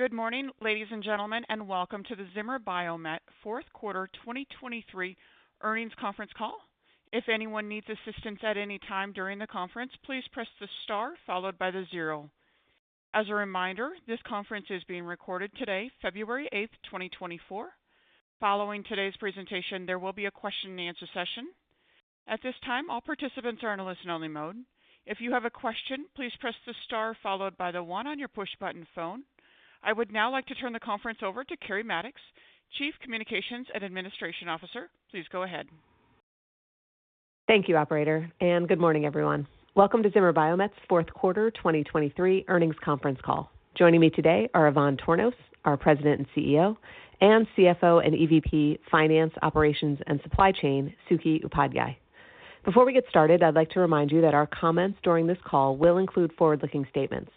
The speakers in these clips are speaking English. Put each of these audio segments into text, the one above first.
Good morning, ladies and gentlemen, and welcome to the Zimmer Biomet fourth quarter 2023 earnings conference call. If anyone needs assistance at any time during the conference, please press the star followed by the 0. As a reminder, this conference is being recorded today, February 8th, 2024. Following today's presentation, there will be a question-and-answer session. At this time, all participants are in a listen-only mode. If you have a question, please press the star followed by the one on your push button phone. I would now like to turn the conference over to Keri Mattox, Chief Communications and Administration Officer. Please go ahead. Thank you, operator, and good morning, everyone. Welcome to Zimmer Biomet's fourth quarter 2023 earnings conference call. Joining me today are Ivan Tornos, our President and CEO, and CFO and EVP, Finance, Operations, and Supply Chain, Suky Upadhyay. Before we get started, I'd like to remind you that our comments during this call will include forward-looking statements.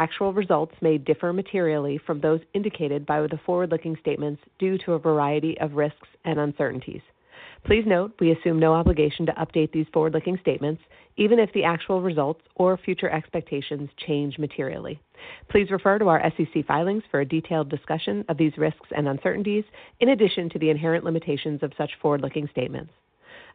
Actual results may differ materially from those indicated by the forward-looking statements due to a variety of risks and uncertainties. Please note, we assume no obligation to update these forward-looking statements, even if the actual results or future expectations change materially. Please refer to our SEC filings for a detailed discussion of these risks and uncertainties, in addition to the inherent limitations of such forward-looking statements.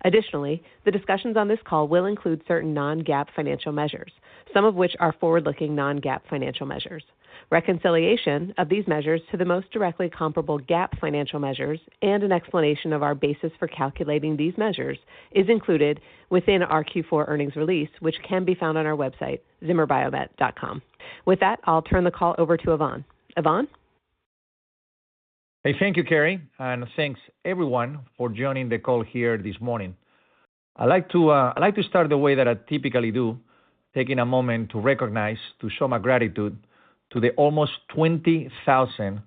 Additionally, the discussions on this call will include certain non-GAAP financial measures, some of which are forward-looking non-GAAP financial measures. Reconciliation of these measures to the most directly comparable GAAP financial measures and an explanation of our basis for calculating these measures is included within our Q4 earnings release, which can be found on our website, zimmerbiomet.com. With that, I'll turn the call over to Ivan. Ivan? Hey, thank you, Keri, and thanks everyone for joining the call here this morning. I'd like to, I'd like to start the way that I typically do, taking a moment to recognize, to show my gratitude to the almost 20,000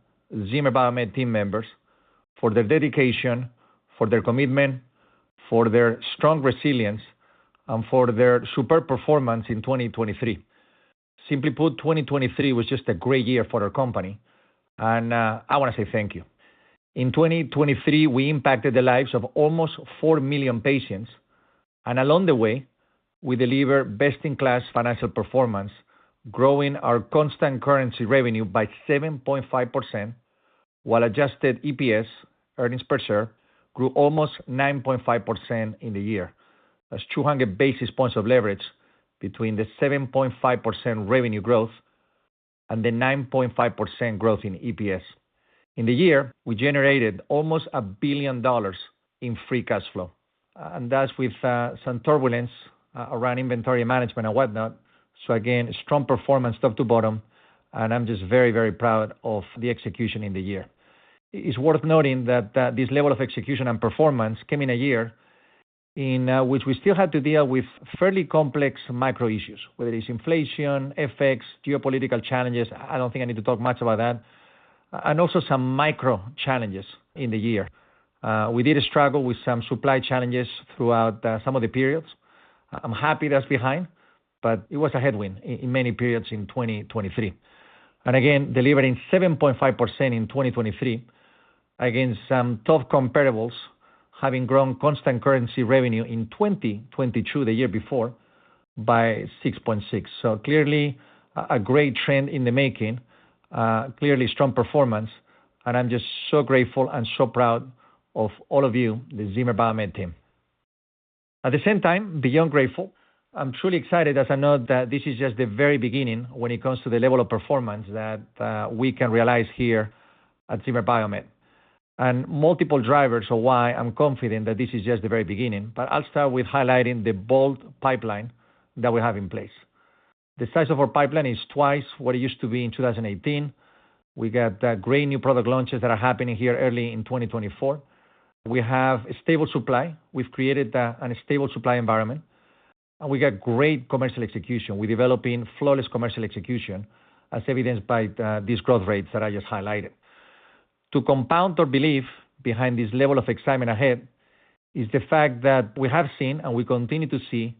Zimmer Biomet team members for their dedication, for their commitment, for their strong resilience, and for their superb performance in 2023. Simply put, 2023 was just a great year for our company, and, I wanna say thank you. In 2023, we impacted the lives of almost four million patients, and along the way, we delivered best-in-class financial performance, growing our constant currency revenue by 7.5%, while adjusted EPS, earnings per share, grew almost 9.5% in the year. That's 200 basis points of leverage between the 7.5% revenue growth and the 9.5% growth in EPS. In the year, we generated almost $1 billion in free cash flow, and that's with some turbulence around inventory management and whatnot. So again, strong performance, top to bottom, and I'm just very, very proud of the execution in the year. It's worth noting that this level of execution and performance came in a year in which we still had to deal with fairly complex micro issues, whether it's inflation, FX, geopolitical challenges. I don't think I need to talk much about that, and also some micro challenges in the year. We did struggle with some supply challenges throughout some of the periods. I'm happy that's behind, but it was a headwind in many periods in 2023. Again, delivering 7.5% in 2023 against some tough comparables, having grown constant currency revenue in 2022, the year before, by 6.6. So clearly, a great trend in the making, clearly strong performance, and I'm just so grateful and so proud of all of you, the Zimmer Biomet team. At the same time, beyond grateful, I'm truly excited as I know that this is just the very beginning when it comes to the level of performance that we can realize here at Zimmer Biomet. Multiple drivers are why I'm confident that this is just the very beginning, but I'll start with highlighting the bold pipeline that we have in place. The size of our pipeline is twice what it used to be in 2018. We got great new product launches that are happening here early in 2024. We have a stable supply. We've created a stable supply environment, and we got great commercial execution. We're developing flawless commercial execution, as evidenced by these growth rates that I just highlighted. To compound our belief behind this level of excitement ahead, is the fact that we have seen, and we continue to see,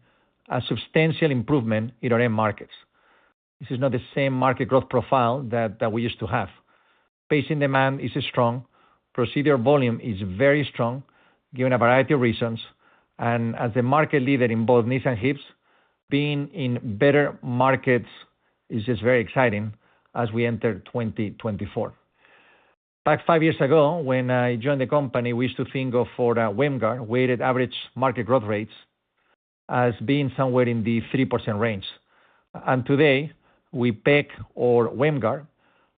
a substantial improvement in our end markets. This is not the same market growth profile that we used to have. Patient demand is strong, procedure volume is very strong, given a variety of reasons, and as the market leader in both knees and hips, being in better markets is just very exciting as we enter 2024. Back 5 years ago, when I joined the company, we used to think of for a WAMGR, Weighted Average Market Growth Rates, as being somewhere in the 3% range. And today, we peg our WAMGR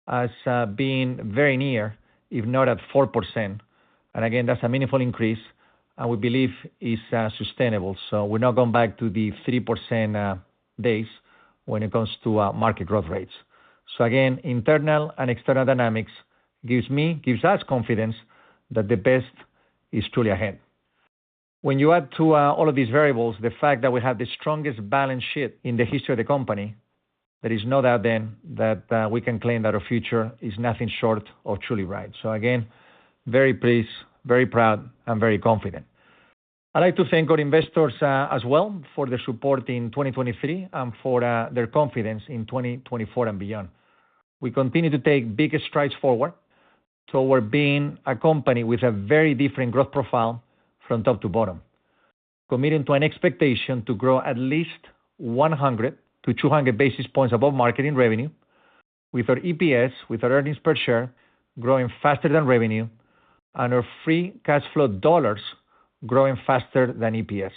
as being very near, if not at 4%. And again, that's a meaningful increase, and we believe is sustainable. So we're not going back to the 3% days when it comes to market growth rates. So again, internal and external dynamics gives me, gives us confidence that the best is truly ahead. When you add to all of these variables, the fact that we have the strongest balance sheet in the history of the company, there is no doubt then that we can claim that our future is nothing short or truly right. So again, very pleased, very proud, and very confident. I'd like to thank our investors, as well for their support in 2023 and for their confidence in 2024 and beyond. We continue to take big strides forward, toward being a company with a very different growth profile from top to bottom, committing to an expectation to grow at least 100-200 basis points above market in revenue, with our EPS, with our earnings per share, growing faster than revenue, and our free cash flow dollars growing faster than EPS.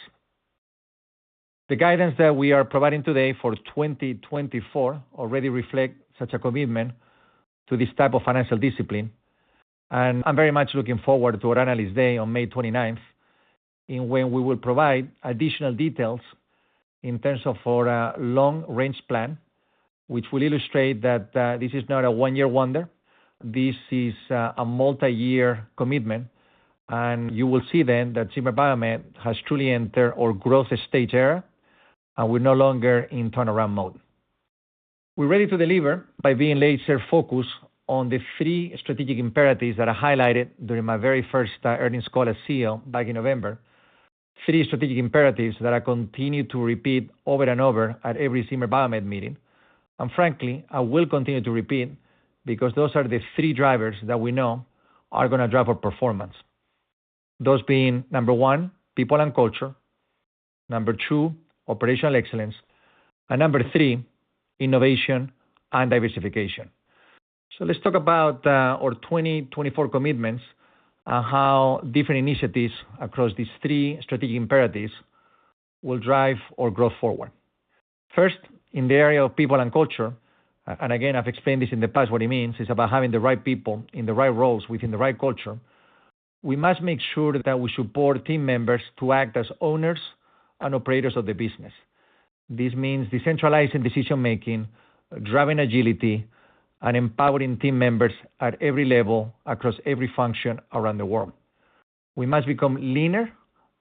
The guidance that we are providing today for 2024 already reflect such a commitment to this type of financial discipline, and I'm very much looking forward to our Analyst Day on May 29th, in when we will provide additional details in terms of our, long range plan, which will illustrate that, this is not a one-year wonder, this is a, a multiyear commitment, and you will see then that Zimmer Biomet has truly entered our growth stage era, and we're no longer in turnaround mode. We're ready to deliver by being laser-focused on the 3 strategic imperatives that I highlighted during my very first, earnings call as CEO back in November. Three strategic imperatives that I continue to repeat over and over at every Zimmer Biomet meeting, and frankly, I will continue to repeat because those are the three drivers that we know are gonna drive our performance. Those being, number one, people and culture, number two, operational excellence, and number three, innovation and diversification. So let's talk about our 2024 commitments, and how different initiatives across these three strategic imperatives will drive our growth forward. First, in the area of people and culture, and again, I've explained this in the past what it means, it's about having the right people in the right roles within the right culture. We must make sure that we support team members to act as owners and operators of the business. This means decentralizing decision-making, driving agility, and empowering team members at every level, across every function around the world. We must become leaner,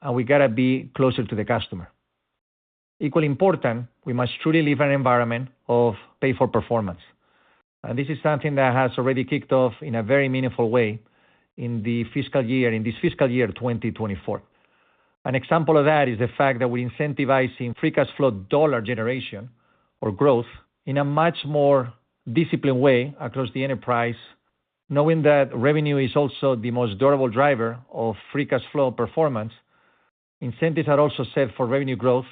and we've got to be closer to the customer. Equally important, we must truly live in an environment of pay for performance, and this is something that has already kicked off in a very meaningful way in the fiscal year, in this fiscal year, 2024. An example of that is the fact that we're incentivizing free cash flow dollar generation or growth in a much more disciplined way across the enterprise, knowing that revenue is also the most durable driver of free cash flow performance. Incentives are also set for revenue growth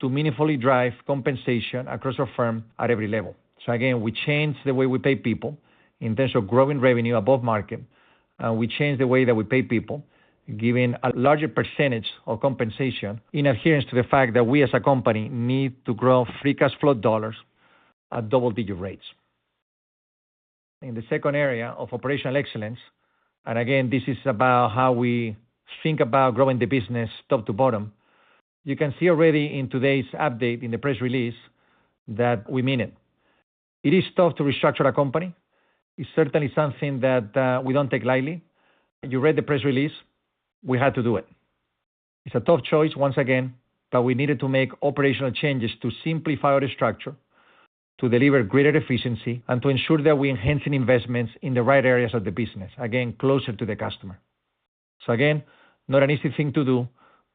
to meaningfully drive compensation across our firm at every level. So again, we change the way we pay people in terms of growing revenue above market, and we change the way that we pay people, giving a larger percentage of compensation in adherence to the fact that we as a company need to grow free cash flow dollars at double-digit rates. In the second area of operational excellence, and again, this is about how we think about growing the business top to bottom. You can see already in today's update, in the press release, that we mean it. It is tough to restructure a company. It's certainly something that we don't take lightly. You read the press release. We had to do it. It's a tough choice, once again, but we needed to make operational changes to simplify our structure, to deliver greater efficiency, and to ensure that we're enhancing investments in the right areas of the business, again, closer to the customer. So again, not an easy thing to do,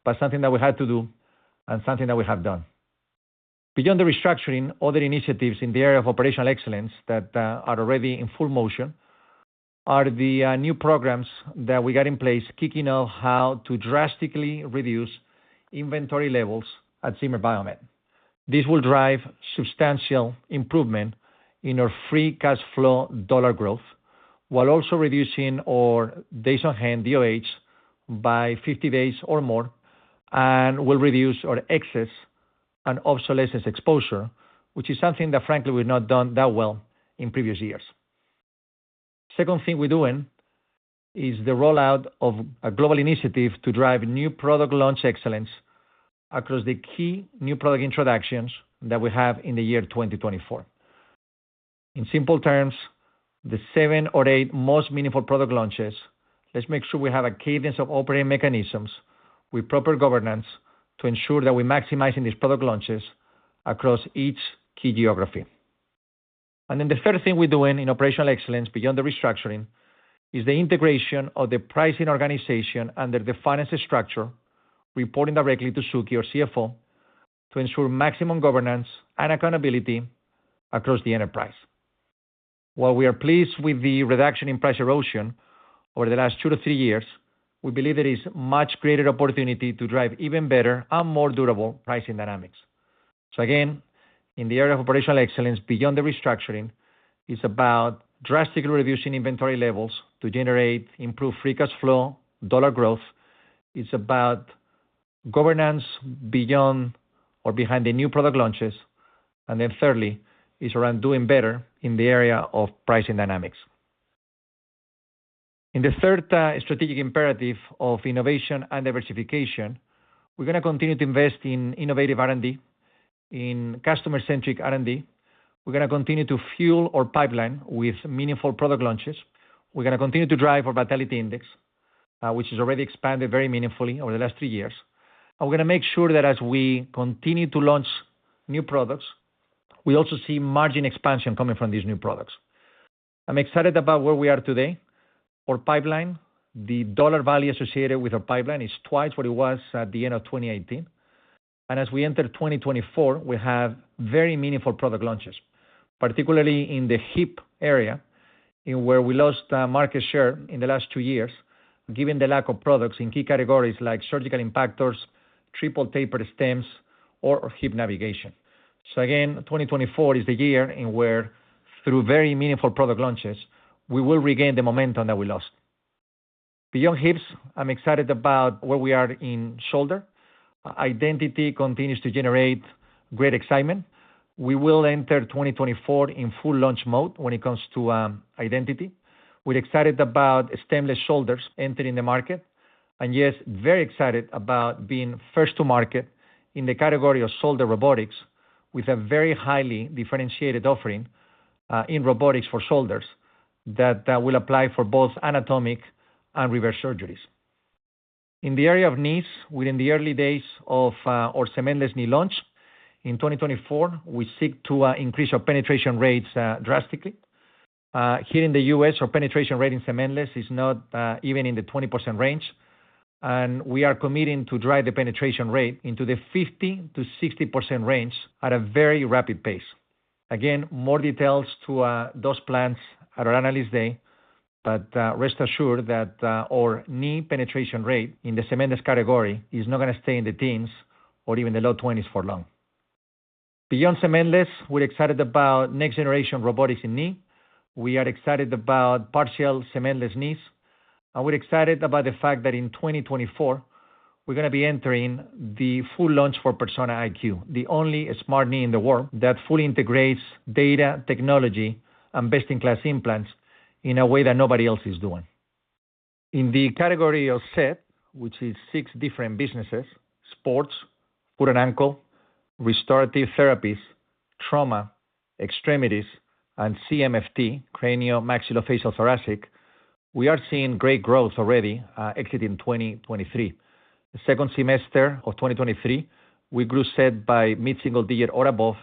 but something that we had to do and something that we have done. Beyond the restructuring, other initiatives in the area of operational excellence that are already in full motion are the new programs that we got in place, kicking off how to drastically reduce inventory levels at Zimmer Biomet. This will drive substantial improvement in our free cash flow dollar growth, while also reducing our days on hand, DOH, by 50 days or more, and will reduce our excess and obsolescence exposure, which is something that frankly, we've not done that well in previous years. Second thing we're doing is the rollout of a global initiative to drive new product launch excellence across the key new product introductions that we have in the year 2024. In simple terms, the seven or eight most meaningful product launches, let's make sure we have a cadence of operating mechanisms with proper governance to ensure that we're maximizing these product launches across each key geography. And then the third thing we're doing in operational excellence beyond the restructuring, is the integration of the pricing organization under the finance structure, reporting directly to Suky, our CFO, to ensure maximum governance and accountability across the enterprise. While we are pleased with the reduction in price erosion over the last two-three years, we believe there is much greater opportunity to drive even better and more durable pricing dynamics. So again, in the area of operational excellence, beyond the restructuring, it's about drastically reducing inventory levels to generate improved free cash flow, dollar growth. It's about governance beyond or behind the new product launches, and then thirdly, it's around doing better in the area of pricing dynamics. In the third, strategic imperative of innovation and diversification, we're gonna continue to invest in innovative R&D, in customer-centric R&D. We're gonna continue to fuel our pipeline with meaningful product launches. We're gonna continue to drive our vitality index, which has already expanded very meaningfully over the last three years, and we're gonna make sure that as we continue to launch new products, we also see margin expansion coming from these new products. I'm excited about where we are today. Our pipeline, the dollar value associated with our pipeline, is twice what it was at the end of 2018. As we enter 2024, we have very meaningful product launches, particularly in the hip area, in where we lost market share in the last two years, given the lack of products in key categories like surgical impactors, triple tapered stems, or hip navigation. So again, 2024 is the year in where, through very meaningful product launches, we will regain the momentum that we lost. Beyond hips, I'm excited about where we are in shoulder. Identity continues to generate great excitement. We will enter 2024 in full launch mode when it comes to Identity. We're excited about stemless shoulders entering the market, and yes, very excited about being first to market in the category of shoulder robotics, with a very highly differentiated offering in robotics for shoulders, that will apply for both anatomic and reverse surgeries. In the area of knees, we're in the early days of our cementless knee launch. In 2024, we seek to increase our penetration rates drastically. Here in the U.S., our penetration rate in cementless is not even in the 20% range, and we are committing to drive the penetration rate into the 50%-60% range at a very rapid pace. Again, more details to those plans at our Analyst Day, but rest assured that our knee penetration rate in the cementless category is not gonna stay in the teens or even the low 20s for long. Beyond cementless, we're excited about next-generation robotics in knee. We are excited about partial cementless knees, and we're excited about the fact that in 2024, we're gonna be entering the full launch for Persona IQ, the only smart knee in the world that fully integrates data, technology, and best-in-class implants in a way that nobody else is doing. In the category of SET, which is six different businesses, sports, foot and ankle, restorative therapies, trauma, extremities, and CMFT, craniomaxillofacial and thoracic, we are seeing great growth already, exiting 2023. The second semester of 2023, we grew SET by mid-single digit or above,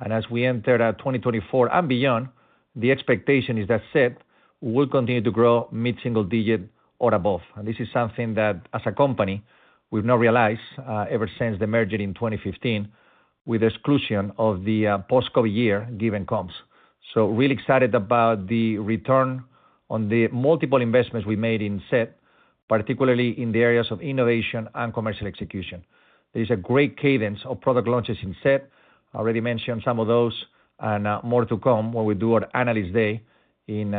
and as we enter, 2024 and beyond, the expectation is that SET will continue to grow mid-single digit or above. And this is something that, as a company, we've not realized, ever since the merger in 2015, with exclusion of the post-COVID year, given comps. So really excited about the return on the multiple investments we made in SET, particularly in the areas of innovation and commercial execution. There's a great cadence of product launches in SET. I already mentioned some of those, and more to come when we do our Analyst Day in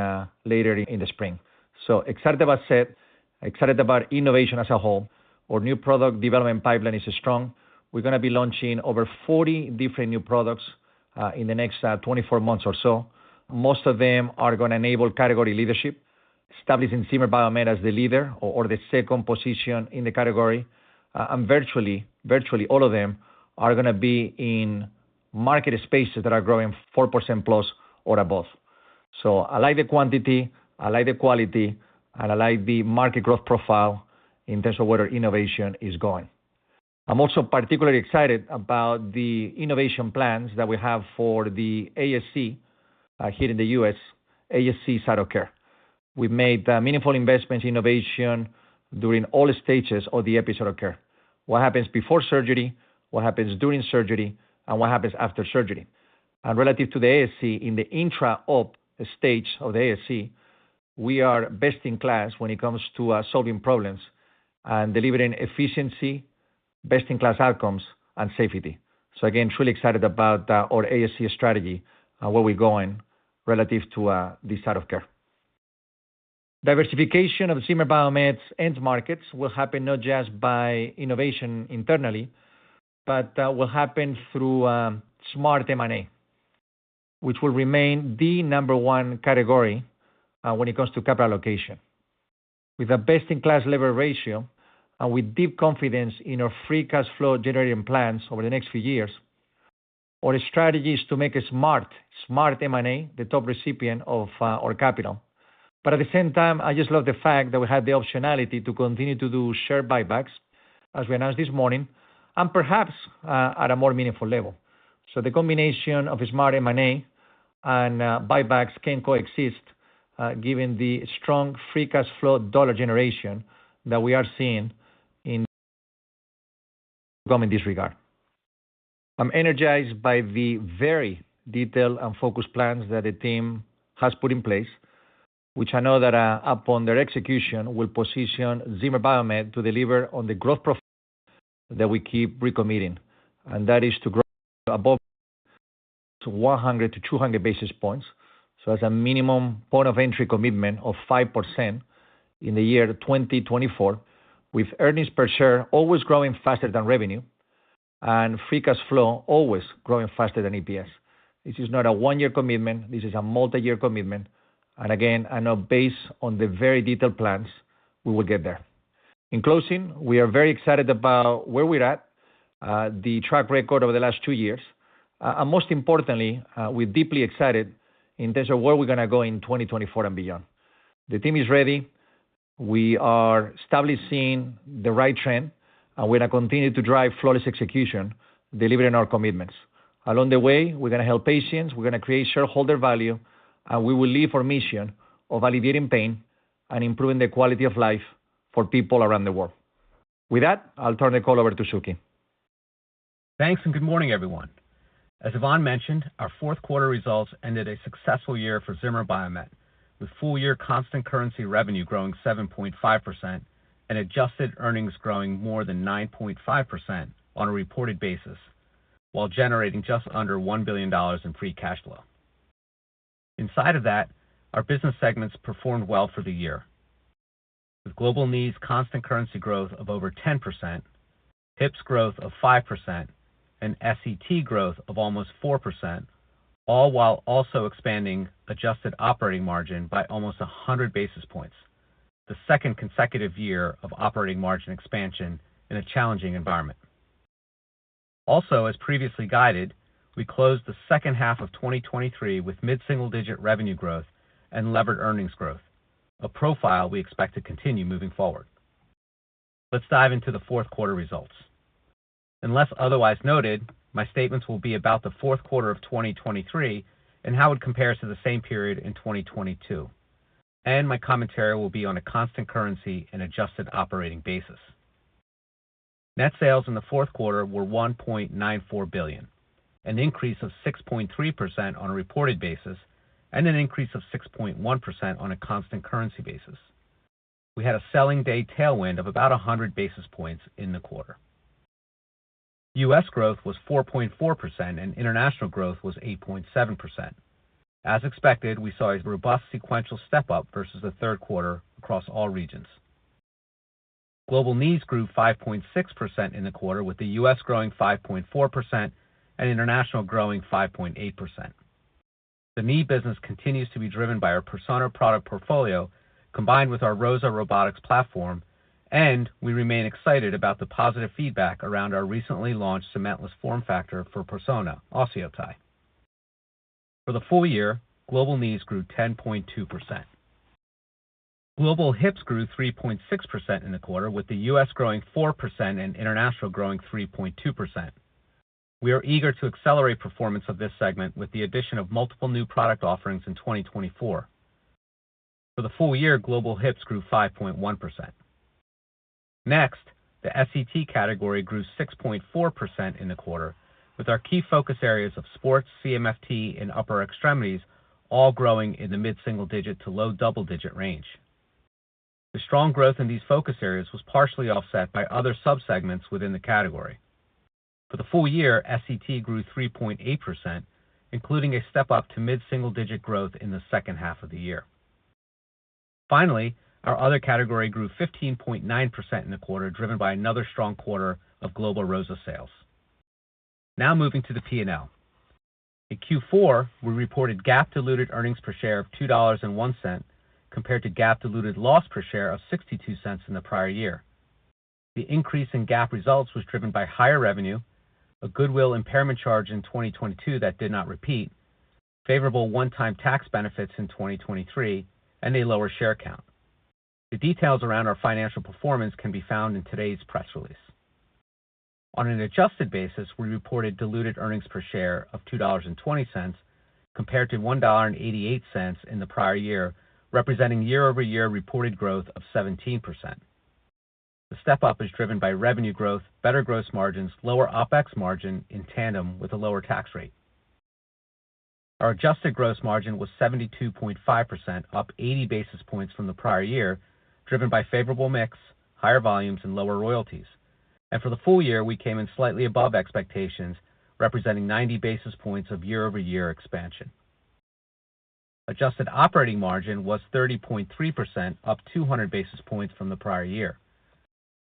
later in the spring. So excited about SET, excited about innovation as a whole. Our new product development pipeline is strong. We're gonna be launching over 40 different new products in the next 24 months or so. Most of them are gonna enable category leadership, establishing Zimmer Biomet as the leader or the second position in the category. And virtually, virtually all of them are gonna be in market spaces that are growing 4%+ or above. So I like the quantity, I like the quality, and I like the market growth profile in terms of where our innovation is going. I'm also particularly excited about the innovation plans that we have for the ASC here in the U.S., ASC site of care. We've made meaningful investments in innovation during all stages of the episode of care, what happens before surgery, what happens during surgery, and what happens after surgery. And relative to the ASC, in the intra op stage of the ASC, we are best-in-class when it comes to solving problems and delivering efficiency, best-in-class outcomes, and safety. So again, truly excited about our ASC strategy and where we're going relative to this site of care. Diversification of Zimmer Biomet's end markets will happen not just by innovation internally, but will happen through smart M&A, which will remain the number one category when it comes to capital allocation. With a best-in-class leverage ratio and with deep confidence in our free cash flow generating plans over the next few years, our strategy is to make a smart, smart M&A the top recipient of our capital. But at the same time, I just love the fact that we have the optionality to continue to do share buybacks, as we announced this morning, and perhaps at a more meaningful level. So the combination of a smart M&A and buybacks can coexist given the strong free cash flow dollar generation that we are seeing incoming in this regard. I'm energized by the very detailed and focused plans that the team has put in place, which I know that, upon their execution, will position Zimmer Biomet to deliver on the growth profile that we keep recommitting, and that is to grow above 100-200 basis points. So that's a minimum point of entry commitment of 5% in the year 2024, with earnings per share always growing faster than revenue, and free cash flow always growing faster than EPS. This is not a one-year commitment, this is a multi-year commitment, and again, I know based on the very detailed plans, we will get there. In closing, we are very excited about where we're at, the track record over the last two years, and most importantly, we're deeply excited in terms of where we're gonna go in 2024 and beyond. The team is ready. We are establishing the right trend, and we're gonna continue to drive flawless execution, delivering on our commitments. Along the way, we're gonna help patients, we're gonna create shareholder value, and we will live our mission of alleviating pain and improving the quality of life for people around the world. With that, I'll turn the call over to Suky. Thanks, and good morning, everyone. As Ivan mentioned, our fourth quarter results ended a successful year for Zimmer Biomet, with full-year constant currency revenue growing 7.5% and adjusted earnings growing more than 9.5% on a reported basis, while generating just under $1 billion in free cash flow. Inside of that, our business segments performed well for the year. With global knees constant currency growth of over 10%, hips growth of 5%, and SET growth of almost 4%, all while also expanding adjusted operating margin by almost 100 basis points, the second consecutive year of operating margin expansion in a challenging environment. Also, as previously guided, we closed the second half of 2023 with mid-single-digit revenue growth and levered earnings growth, a profile we expect to continue moving forward. Let's dive into the fourth quarter results. Unless otherwise noted, my statements will be about the fourth quarter of 2023 and how it compares to the same period in 2022, and my commentary will be on a constant currency and adjusted operating basis. Net sales in the fourth quarter were $1.94 billion, an increase of 6.3% on a reported basis and an increase of 6.1% on a constant currency basis. We had a selling day tailwind of about 100 basis points in the quarter. U.S. growth was 4.4%, and international growth was 8.7%. As expected, we saw a robust sequential step-up versus the third quarter across all regions. Global knees grew 5.6% in the quarter, with the U.S. growing 5.4% and international growing 5.8%. The knee business continues to be driven by our Persona product portfolio, combined with our ROSA Robotics platform, and we remain excited about the positive feedback around our recently launched cementless form factor for Persona OsseoTi. For the full year, global knees grew 10.2%. Global hips grew 3.6% in the quarter, with the U.S. growing 4% and international growing 3.2%. We are eager to accelerate performance of this segment with the addition of multiple new product offerings in 2024. For the full year, global hips grew 5.1%. Next, the SET category grew 6.4% in the quarter, with our key focus areas of sports, CMFT, and upper extremities all growing in the mid-single digit to low-double-digit range. The strong growth in these focus areas was partially offset by other subsegments within the category. For the full year, SET grew 3.8%, including a step-up to mid-single-digit growth in the second half of the year. Finally, our other category grew 15.9% in the quarter, driven by another strong quarter of global ROSA sales. Now moving to the P&L. In Q4, we reported GAAP diluted earnings per share of $2.01, compared to GAAP diluted loss per share of $0.62 in the prior year. The increase in GAAP results was driven by higher revenue, a goodwill impairment charge in 2022 that did not repeat, favorable one-time tax benefits in 2023, and a lower share count. The details around our financial performance can be found in today's press release. On an adjusted basis, we reported diluted earnings per share of $2.20, compared to $1.88 in the prior year, representing year-over-year reported growth of 17%. The step-up is driven by revenue growth, better gross margins, lower OpEx margin in tandem with a lower tax rate. Our adjusted gross margin was 72.5%, up 80 basis points from the prior year, driven by favorable mix, higher volumes, and lower royalties. For the full year, we came in slightly above expectations, representing 90 basis points of year-over-year expansion. Adjusted operating margin was 30.3%, up 200 basis points from the prior year.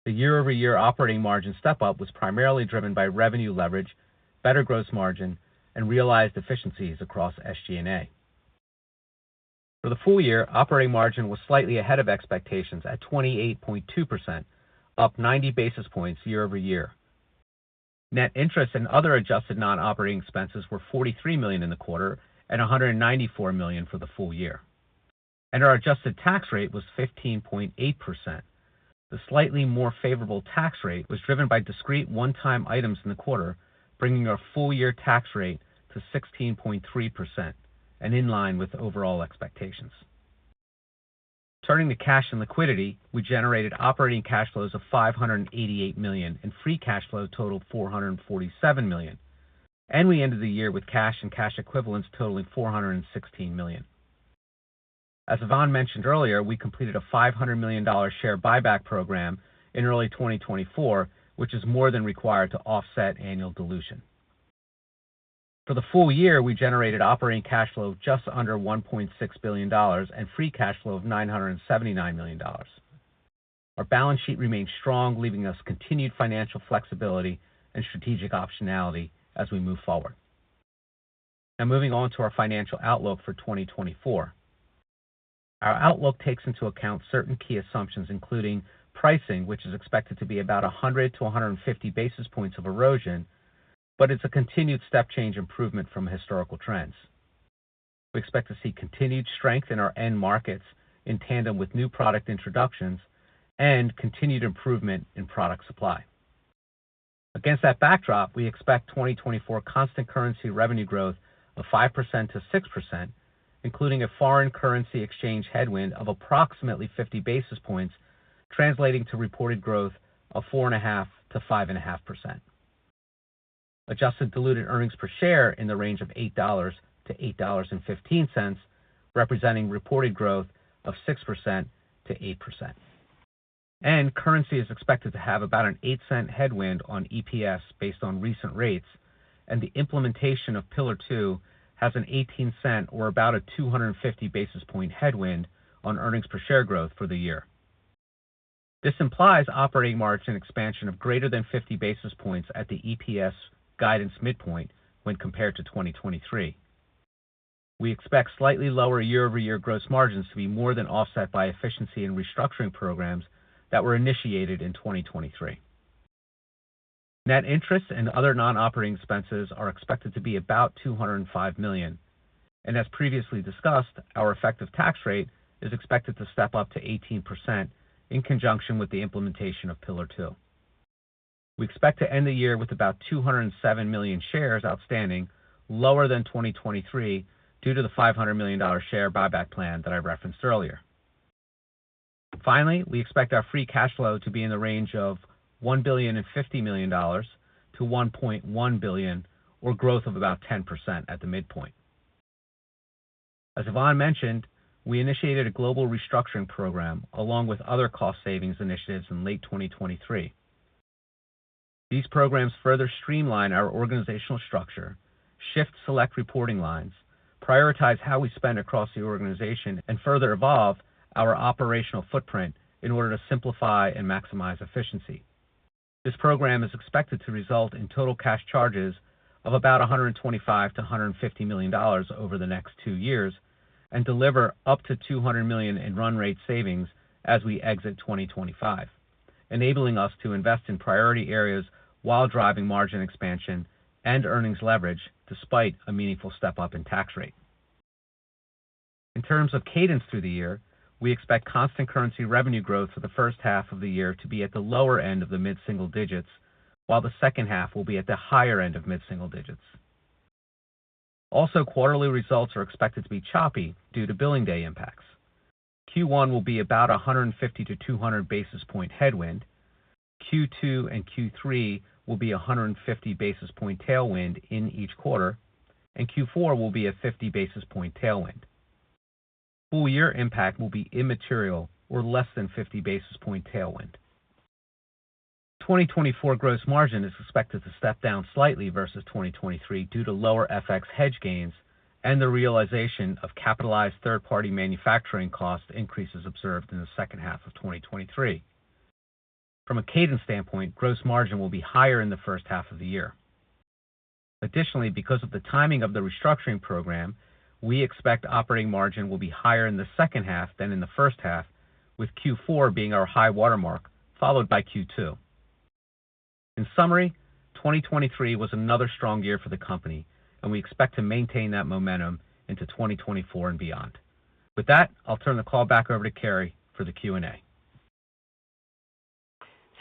The year-over-year operating margin step-up was primarily driven by revenue leverage, better gross margin, and realized efficiencies across SG&A. For the full year, operating margin was slightly ahead of expectations at 28.2%, up 90 basis points year-over-year. Net interest and other adjusted non-operating expenses were $43 million in the quarter and $194 million for the full year, and our adjusted tax rate was 15.8%. The slightly more favorable tax rate was driven by discrete one-time items in the quarter, bringing our full-year tax rate to 16.3% and in line with overall expectations. Turning to cash and liquidity, we generated operating cash flows of $588 million, and free cash flow totaled $447 million, and we ended the year with cash and cash equivalents totaling $416 million. As Ivan mentioned earlier, we completed a $500 million share buyback program in early 2024, which is more than required to offset annual dilution. For the full year, we generated operating cash flow of just under $1.6 billion and free cash flow of $979 million. Our balance sheet remains strong, leaving us continued financial flexibility and strategic optionality as we move forward. Now, moving on to our financial outlook for 2024. Our outlook takes into account certain key assumptions, including pricing, which is expected to be about 100-150 basis points of erosion, but it's a continued step change improvement from historical trends. We expect to see continued strength in our end markets in tandem with new product introductions and continued improvement in product supply. Against that backdrop, we expect 2024 constant currency revenue growth of 5%-6%, including a foreign currency exchange headwind of approximately 50 basis points, translating to reported growth of 4.5%-5.5%. Adjusted diluted earnings per share in the range of $8-$8.15, representing reported growth of 6%-8%. Currency is expected to have about a $0.08 headwind on EPS based on recent rates, and the implementation of Pillar Two has a $0.18 or about a 250 basis points headwind on earnings per share growth for the year. This implies operating margin expansion of greater than 50 basis points at the EPS guidance midpoint when compared to 2023. We expect slightly lower year-over-year gross margins to be more than offset by efficiency and restructuring programs that were initiated in 2023. Net interest and other non-operating expenses are expected to be about $205 million. As previously discussed, our effective tax rate is expected to step up to 18% in conjunction with the implementation of Pillar Two. We expect to end the year with about 207 million shares outstanding, lower than 2023, due to the $500 million share buyback plan that I referenced earlier. Finally, we expect our free cash flow to be in the range of $1.05 billion-$1.1 billion, or growth of about 10% at the midpoint. As Ivan mentioned, we initiated a global restructuring program along with other cost savings initiatives in late 2023. These programs further streamline our organizational structure, shift select reporting lines, prioritize how we spend across the organization, and further evolve our operational footprint in order to simplify and maximize efficiency. This program is expected to result in total cash charges of about $125 million-$150 million over the next two years and deliver up to $200 million in run rate savings as we exit 2025, enabling us to invest in priority areas while driving margin expansion and earnings leverage despite a meaningful step-up in tax rate. In terms of cadence through the year, we expect constant currency revenue growth for the first half of the year to be at the lower end of the mid-single digits, while the second half will be at the higher end of mid-single digits. Also, quarterly results are expected to be choppy due to billing day impacts. Q1 will be about 150-200 basis point headwind. Q2 and Q3 will be 150 basis point tailwind in each quarter, and Q4 will be a 50 basis point tailwind. Full year impact will be immaterial or less than 50 basis point tailwind. 2024 gross margin is expected to step down slightly versus 2023 due to lower FX hedge gains and the realization of capitalized third-party manufacturing cost increases observed in the second half of 2023. From a cadence standpoint, gross margin will be higher in the first half of the year. Additionally, because of the timing of the restructuring program, we expect operating margin will be higher in the second half than in the first half, with Q4 being our high-water mark, followed by Q2. In summary, 2023 was another strong year for the company, and we expect to maintain that momentum into 2024 and beyond. With that, I'll turn the call back over to Keri for the Q&A.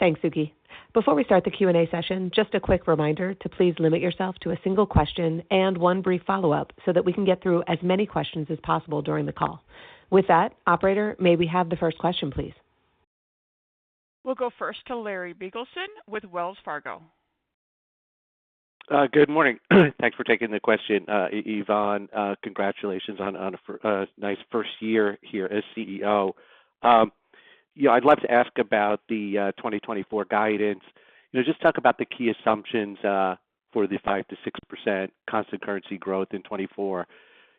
Thanks, Suky. Before we start the Q&A session, just a quick reminder to please limit yourself to a single question and one brief follow-up so that we can get through as many questions as possible during the call. With that, operator, may we have the first question, please? We'll go first to Larry Biegelsen with Wells Fargo. Good morning. Thanks for taking the question. Ivan, congratulations on a nice first year here as CEO. Yeah, I'd love to ask about the 2024 guidance. You know, just talk about the key assumptions for the 5%-6% constant currency growth in 2024.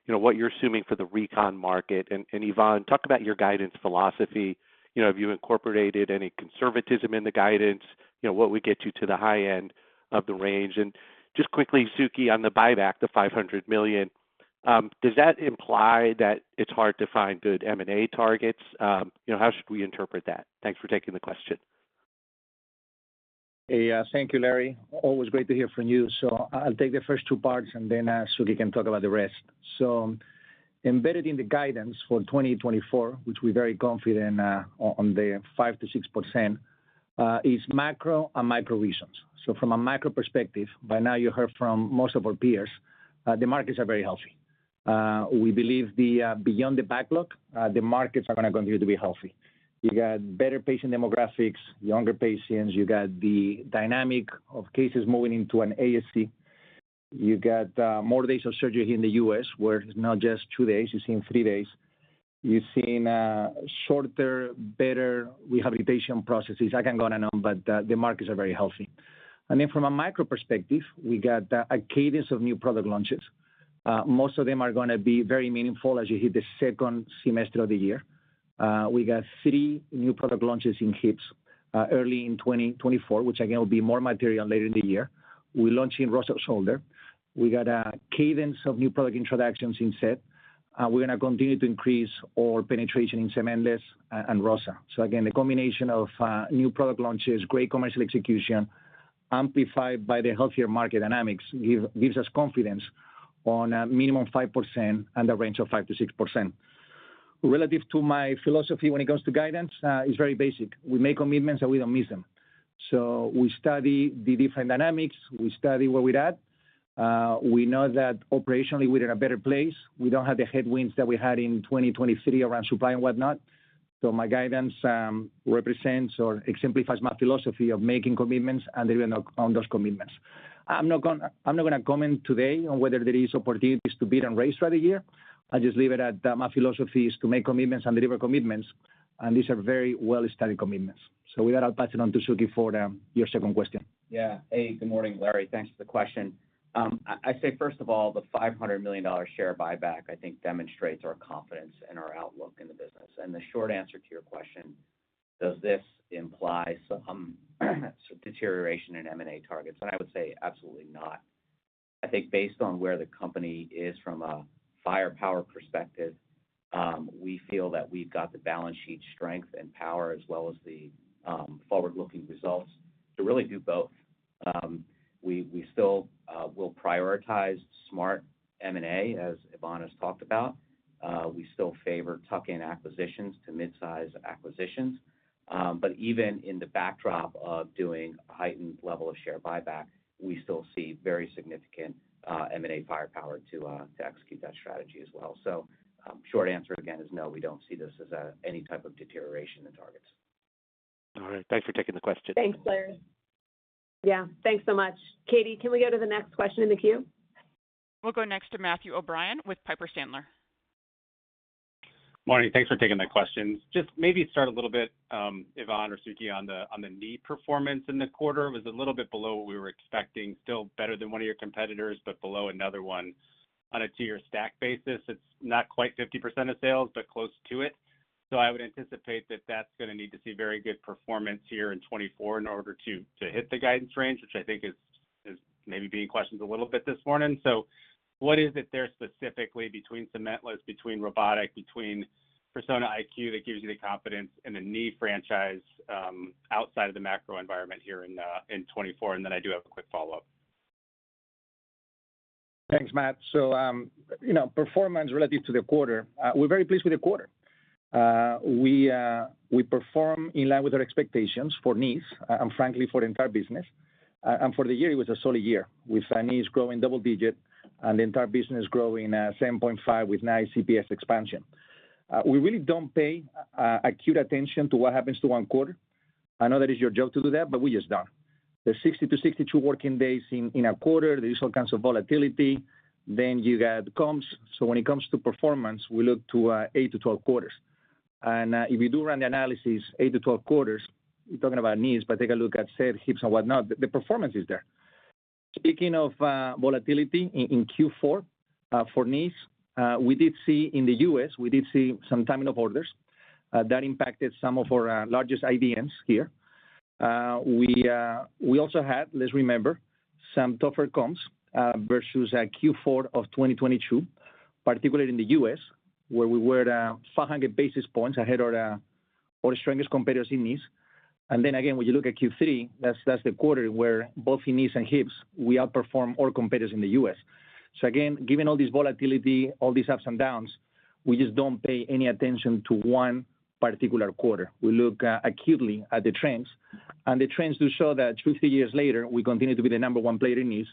You know, what you're assuming for the recon market. And Ivan, talk about your guidance philosophy. You know, have you incorporated any conservatism in the guidance? You know, what would get you to the high end of the range? And just quickly, Suky, on the buyback, the $500 million, does that imply that it's hard to find good M&A targets? You know, how should we interpret that? Thanks for taking the question. Hey, thank you, Larry. Always great to hear from you. So I'll take the first two parts, and then, Suky can talk about the rest. So embedded in the guidance for 2024, which we're very confident on the 5%-6%, is macro and micro reasons. So from a macro perspective, by now, you heard from most of our peers, the markets are very healthy. We believe beyond the backlog, the markets are gonna continue to be healthy. You got better patient demographics, younger patients. You got the dynamic of cases moving into an ASC. You got more days of surgery in the U.S., where it's not just two days, you're seeing three days. You're seeing shorter, better rehabilitation processes. I can go on and on, but the markets are very healthy. And then from a micro perspective, we got a cadence of new product launches. Most of them are gonna be very meaningful as you hit the second semester of the year. We got three new product launches in hips early in 2024, which again, will be more material later in the year. We're launching ROSA shoulder. We got a cadence of new product introductions in SET, and we're gonna continue to increase our penetration in cementless and ROSA. So again, the combination of new product launches, great commercial execution, amplified by the healthier market dynamics, gives us confidence on a minimum 5% and a range of 5%-6%.... Relative to my philosophy when it goes to guidance, it's very basic. We make commitments, and we don't miss them. So we study the different dynamics, we study where we're at. We know that operationally we're in a better place. We don't have the headwinds that we had in 2023 around supply and whatnot. So my guidance represents or exemplifies my philosophy of making commitments and delivering on those commitments. I'm not gonna, I'm not gonna comment today on whether there is opportunities to beat on race for the year. I'll just leave it at that. My philosophy is to make commitments and deliver commitments, and these are very well-studied commitments. So with that, I'll pass it on to Suky for the, your second question. Yeah. Hey, good morning, Larry. Thanks for the question. I'd say, first of all, the $500 million share buyback, I think, demonstrates our confidence and our outlook in the business. The short answer to your question, does this imply some deterioration in M&A targets? I would say absolutely not. I think based on where the company is from a firepower perspective, we feel that we've got the balance sheet strength and power, as well as the forward-looking results to really do both. We still will prioritize smart M&A, as Ivan has talked about. We still favor tuck-in acquisitions to mid-size acquisitions. But even in the backdrop of doing a heightened level of share buyback, we still see very significant M&A firepower to execute that strategy as well. So, short answer, again, is no, we don't see this as a, any type of deterioration in targets. All right. Thanks for taking the question. Thanks, Larry. Yeah, thanks so much. Katie, can we go to the next question in the queue? We'll go next to Matthew O'Brien with Piper Sandler. Morning. Thanks for taking the questions. Just maybe start a little bit, Ivan or Suky, on the knee performance in the quarter. It was a little bit below what we were expecting, still better than one of your competitors, but below another one. On a two-year stack basis, it's not quite 50% of sales, but close to it. So I would anticipate that that's gonna need to see very good performance here in 2024 in order to hit the guidance range, which I think is maybe being questioned a little bit this morning. So what is it there specifically between cementless, between robotic, between Persona IQ, that gives you the confidence in the knee franchise, outside of the macro environment here in 2024? And then I do have a quick follow-up. Thanks, Matt. So, you know, performance relative to the quarter, we're very pleased with the quarter. We perform in line with our expectations for knees and frankly, for the entire business. And for the year, it was a solid year, with our knees growing double-digit and the entire business growing at 7.5 with nice CPS expansion. We really don't pay acute attention to what happens to one quarter. I know that is your job to do that, but we just don't. There's 60-62 working days in a quarter. There is all kinds of volatility. Then you add comps. So when it comes to performance, we look to 8-12 quarters. And, if you do run the analysis, 8-12 quarters, you're talking about knees, but take a look at hip, hips and whatnot, the performance is there. Speaking of, volatility in, in Q4, for knees, we did see in the U.S., some timing of orders, that impacted some of our largest IDNs here. We also had, let's remember, some tougher comps, versus Q4 of 2022, particularly in the U.S., where we were at, 500 basis points ahead of our, our strongest competitors in knees. And then again, when you look at Q3, that's, that's the quarter where both in knees and hips, we outperformed all competitors in the U.S. So again, given all this volatility, all these ups and downs, we just don't pay any attention to one particular quarter. We look acutely at the trends, and the trends do show that two-three years later, we continue to be the number one player in knees,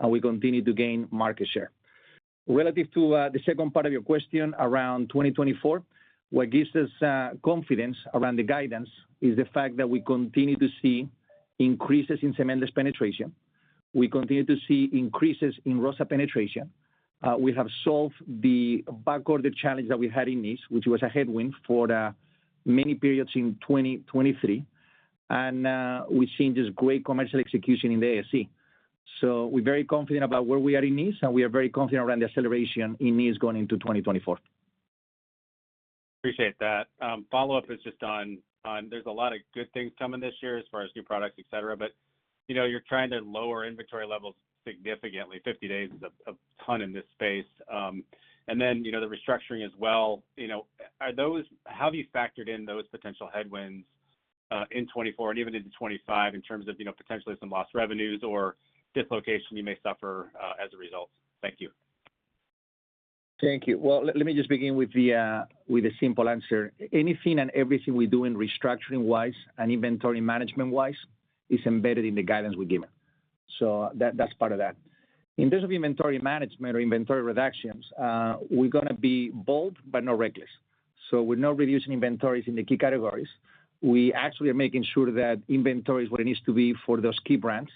and we continue to gain market share. Relative to the second part of your question, around 2024, what gives us confidence around the guidance is the fact that we continue to see increases in cementless penetration. We continue to see increases in ROSA penetration. We have solved the backorder challenge that we had in knees, which was a headwind for the many periods in 2023, and we've seen just great commercial execution in the ASC. So we're very confident about where we are in knees, and we are very confident around the acceleration in knees going into 2024. Appreciate that. Follow-up is just on, there's a lot of good things coming this year as far as new products, et cetera, but you know, you're trying to lower inventory levels significantly. 50 days is a ton in this space. And then, you know, the restructuring as well, you know, are those, how have you factored in those potential headwinds in 2024 and even into 2025, in terms of, you know, potentially some lost revenues or dislocation you may suffer as a result? Thank you. Thank you. Well, let me just begin with the with a simple answer. Anything and everything we do in restructuring-wise and inventory management-wise is embedded in the guidance we've given. So that, that's part of that. In terms of inventory management or inventory reductions, we're gonna be bold but not reckless. So we're not reducing inventories in the key categories. We actually are making sure that inventory is where it needs to be for those key brands,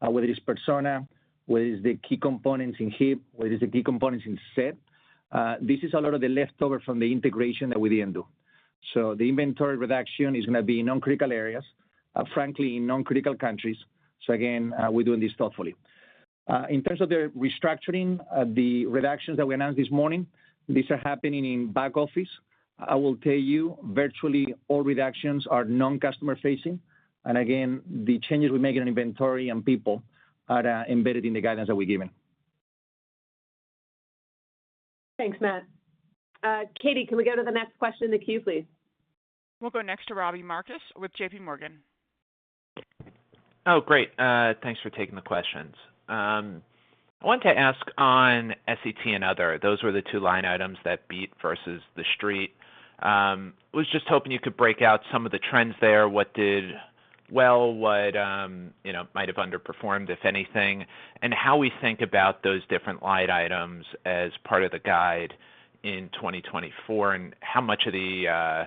whether it's Persona, whether it's the key components in hip, whether it's the key components in SET. This is a lot of the leftover from the integration that we didn't do. So the inventory reduction is gonna be in non-critical areas, frankly, in non-critical countries. So again, we're doing this thoughtfully. In terms of the restructuring, the reductions that we announced this morning, these are happening in back office. I will tell you, virtually all reductions are non-customer facing. And again, the changes we make in inventory and people are, embedded in the guidance that we've given. Thanks, Matt. Katie, can we go to the next question in the queue, please? We'll go next to Robbie Marcus with J.P. Morgan. Oh, great. Thanks for taking the questions. I wanted to ask on SET and other, those were the two line items that beat versus the street. Was just hoping you could break out some of the trends there. What did well, what, you know, might have underperformed, if anything, and how we think about those different line items as part of the guide in 2024, and how much of the,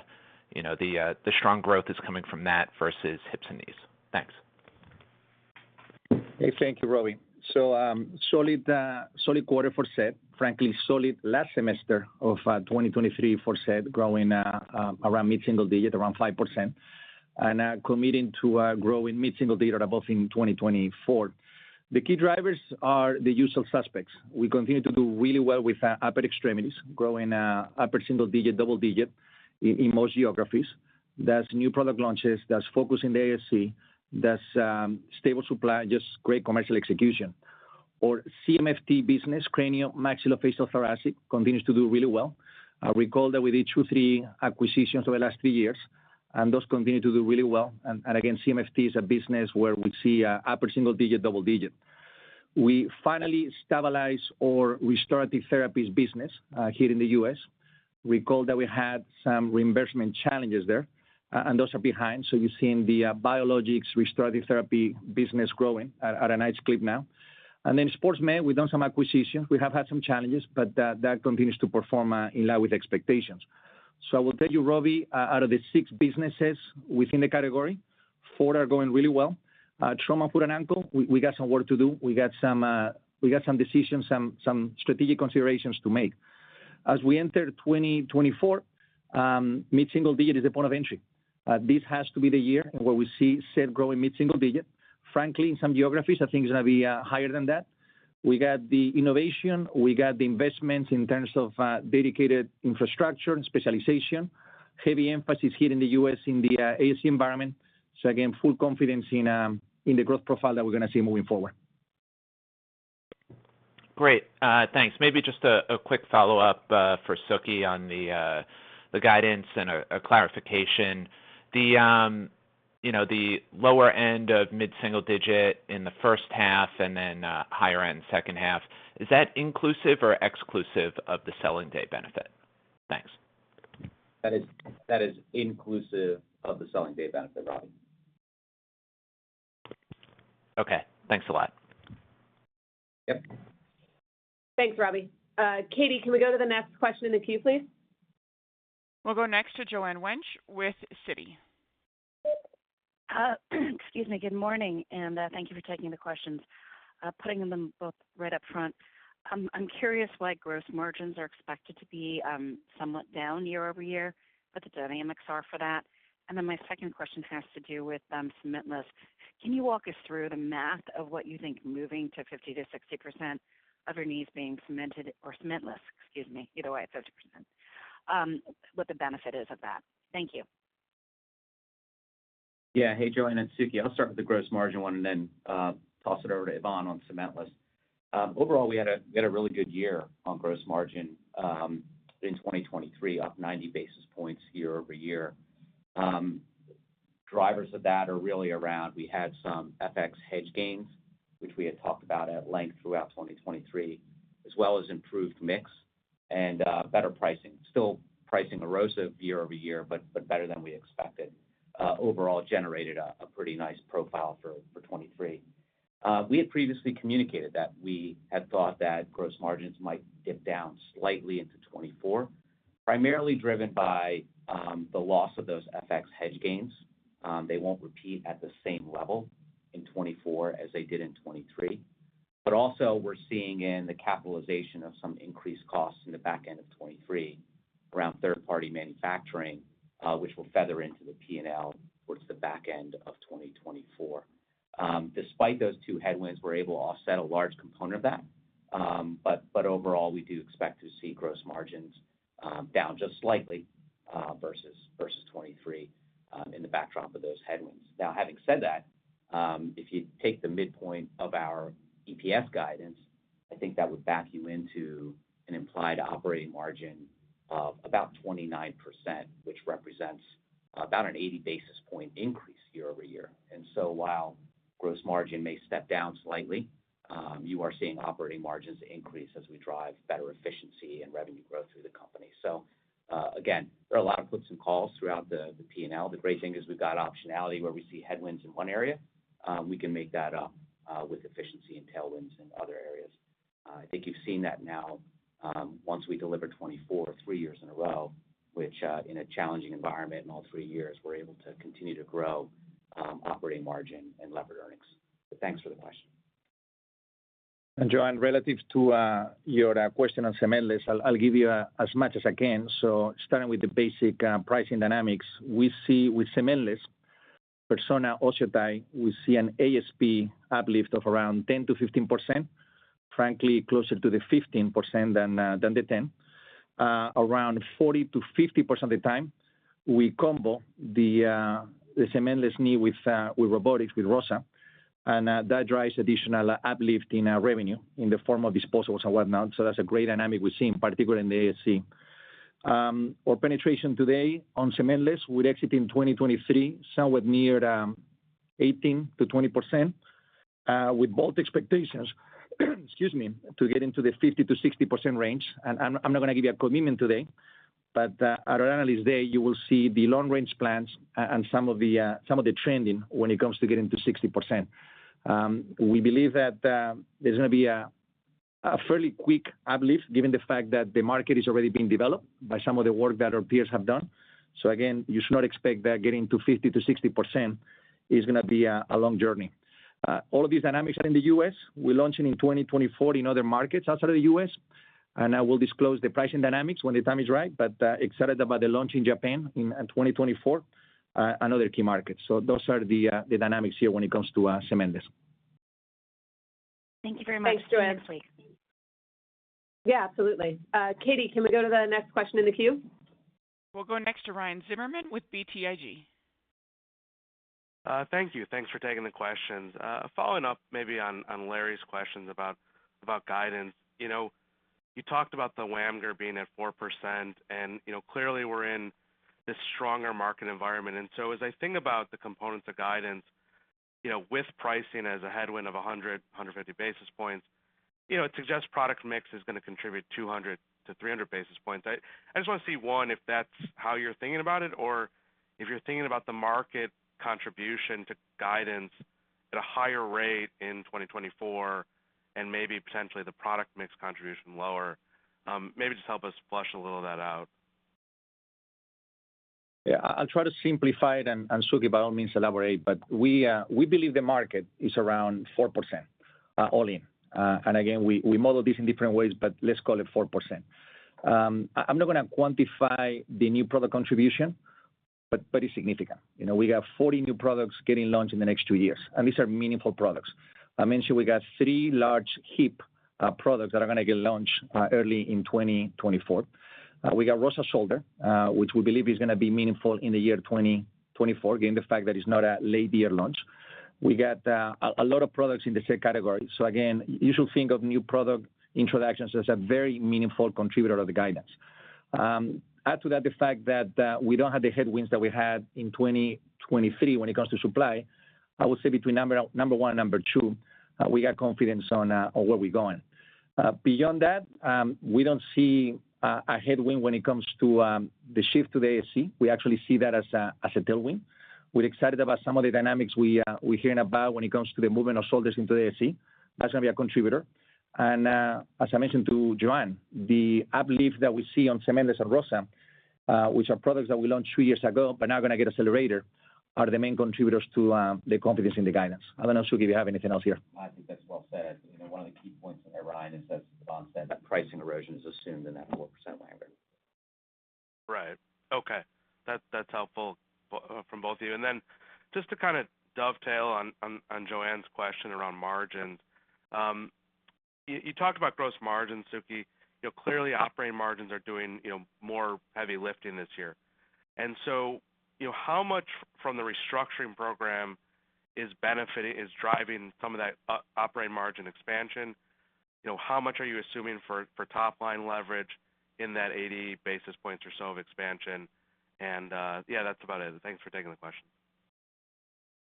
you know, the strong growth is coming from that versus hips and knees? Thanks. Hey, thank you, Robbie. So, solid, solid quarter for SET, frankly, solid last semester of 2023 for SET, growing around mid-single digit, around 5%, and committing to growing mid-single digit or above in 2024. The key drivers are the usual suspects. We continue to do really well with upper extremities, growing upper single digit, double digit in, in most geographies. That's new product launches, that's focus in the ASC, that's stable supply, just great commercial execution. Our CMFT business, craniomaxillofacial thoracic, continues to do really well. Recall that we did two, three acquisitions over the last 3 years, and those continue to do really well. And again, CMFT is a business where we see upper single digit, double digit. We finally stabilize our restorative therapies business here in the U.S. Recall that we had some reimbursement challenges there, and those are behind. So you're seeing the biologics restorative therapy business growing at a nice clip now. And then sports med, we've done some acquisitions. We have had some challenges, but that continues to perform in line with expectations. So I will tell you, Robbie, out of the six businesses within the category, four are going really well. Trauma, foot, and ankle, we got some work to do. We got some decisions, some strategic considerations to make. As we enter 2024, mid-single digit is the point of entry. This has to be the year where we see sales growing mid-single digit. Frankly, in some geographies, I think it's gonna be higher than that. We got the innovation, we got the investments in terms of dedicated infrastructure and specialization, heavy emphasis here in the U.S. in the ASC environment. So again, full confidence in the growth profile that we're gonna see moving forward. Great, thanks. Maybe just a quick follow-up for Suky on the guidance and a clarification. You know, the lower end of mid-single digit in the first half and then higher end second half, is that inclusive or exclusive of the selling day benefit? Thanks. That is, that is inclusive of the selling day benefit, Robbie. Okay, thanks a lot. Yep. Thanks, Robbie. Katie, can we go to the next question in the queue, please? We'll go next to Joanne Wuensch with Citi. Excuse me. Good morning, and thank you for taking the questions. Putting them both right up front. I'm curious why gross margins are expected to be somewhat down year-over-year, what the dynamics are for that. And then my second question has to do with cementless. Can you walk us through the math of what you think moving to 50%-60% of your knees being cemented or cementless, excuse me, either way, it's 50%, what the benefit is of that? Thank you. Yeah. Hey, Joanne, it's Suky. I'll start with the gross margin one and then toss it over to Ivan on cementless. Overall, we had a really good year on gross margin in 2023, up 90 basis points year-over-year. Drivers of that are really around, we had some FX hedge gains, which we had talked about at length throughout 2023, as well as improved mix and better pricing. Still pricing erosive year-over-year, but better than we expected. Overall, generated a pretty nice profile for 2023. We had previously communicated that we had thought that gross margins might dip down slightly into 2024, primarily driven by the loss of those FX hedge gains. They won't repeat at the same level in 2024 as they did in 2023. But also we're seeing in the capitalization of some increased costs in the back end of 2023 around third-party manufacturing, which will feather into the P&L towards the back end of 2024. Despite those two headwinds, we're able to offset a large component of that. But overall, we do expect to see gross margins down just slightly versus 2023 in the backdrop of those headwinds. Now, having said that, if you take the midpoint of our EPS guidance, I think that would back you into an implied operating margin of about 29%, which represents about an 80 basis points increase year-over-year. And so while gross margin may step down slightly, you are seeing operating margins increase as we drive better efficiency and revenue growth through the company. So, again, there are a lot of puts and calls throughout the, the P&L. The great thing is we've got optionality where we see headwinds in one area, we can make that up, with efficiency and tailwinds in other areas. I think you've seen that now, once we deliver 2024, three years in a row, which, in a challenging environment, in all three years, we're able to continue to grow, operating margin and levered earnings. Thanks for the question. Joanne, relative to your question on cementless, I'll give you as much as I can. Starting with the basic pricing dynamics, we see with cementless Persona OsseoTi, we see an ASP uplift of around 10%-15%, frankly, closer to the 15% than the 10. Around 40%-50% of the time, we combo the cementless knee with robotics, with ROSA, and that drives additional uplift in our revenue in the form of disposables and whatnot. That's a great dynamic we're seeing, particularly in the ASC. Our penetration today on cementless would exit in 2023, somewhat near 18%-20%, with bold expectations to get into the 50%-60% range. I'm not gonna give you a commitment today, but at our analyst day, you will see the long-range plans and some of the trending when it comes to getting to 60%. We believe that there's gonna be a fairly quick uplift, given the fact that the market is already being developed by some of the work that our peers have done. So again, you should not expect that getting to 50%-60% is gonna be a long journey. All of these dynamics are in the U.S. We're launching in 2024 in other markets outside of the U.S., and I will disclose the pricing dynamics when the time is right, but excited about the launch in Japan in 2024, another key market. Those are the dynamics here when it comes to cementless. Thank you very much. Thanks, Joanne. Thanks. Yeah, absolutely. Katie, can we go to the next question in the queue? We'll go next to Ryan Zimmerman with BTIG. Thank you. Thanks for taking the questions. Following up maybe on Larry's questions about guidance. You know, you talked about the WAMGR being at 4% and, you know, clearly we're in this stronger market environment. So as I think about the components of guidance, you know, with pricing as a headwind of 100-150 basis points, you know, it suggests product mix is gonna contribute 200-300 basis points. I just wanna see, one, if that's how you're thinking about it, or if you're thinking about the market contribution to guidance at a higher rate in 2024 and maybe potentially the product mix contribution lower. Maybe just help us flesh a little of that out. Yeah, I'll try to simplify it, and Suky, by all means, elaborate. But we believe the market is around 4%, all in. And again, we model this in different ways, but let's call it 4%. I'm not gonna quantify the new product contribution, but pretty significant. You know, we have 40 new products getting launched in the next two years, and these are meaningful products. I mentioned we got 3 large hip products that are gonna get launched early in 2024. We got ROSA Shoulder, which we believe is gonna be meaningful in the year 2024, given the fact that it's not a late-year launch. We got a lot of products in the same category. So again, you should think of new product introductions as a very meaningful contributor of the guidance. Add to that the fact that we don't have the headwinds that we had in 2023 when it comes to supply. I would say between number one and number two, we got confidence on, on where we're going. Beyond that, we don't see a headwind when it comes to the shift to the ASC. We actually see that as a tailwind. We're excited about some of the dynamics we're hearing about when it comes to the movement of shoulders into the ASC. That's gonna be a contributor. And as I mentioned to Joanne, the uplift that we see on cementless and ROSA, which are products that we launched two years ago but are now gonna get accelerator, are the main contributors to the confidence in the guidance. I don't know, Suky, if you have anything else here. I think that's well said. You know, one of the key points in there, Ryan, is, as Ivan said, that pricing erosion is assumed in that 4% WAMGR. Right. Okay. That's helpful from both of you. And then just to kind of dovetail on Joanne's question around margins. You talked about gross margins, Suky. You know, clearly operating margins are doing, you know, more heavy lifting this year. And so, you know, how much from the restructuring program is benefiting, is driving some of that operating margin expansion? You know, how much are you assuming for top-line leverage in that 80 basis points or so of expansion? And, yeah, that's about it. Thanks for taking the question.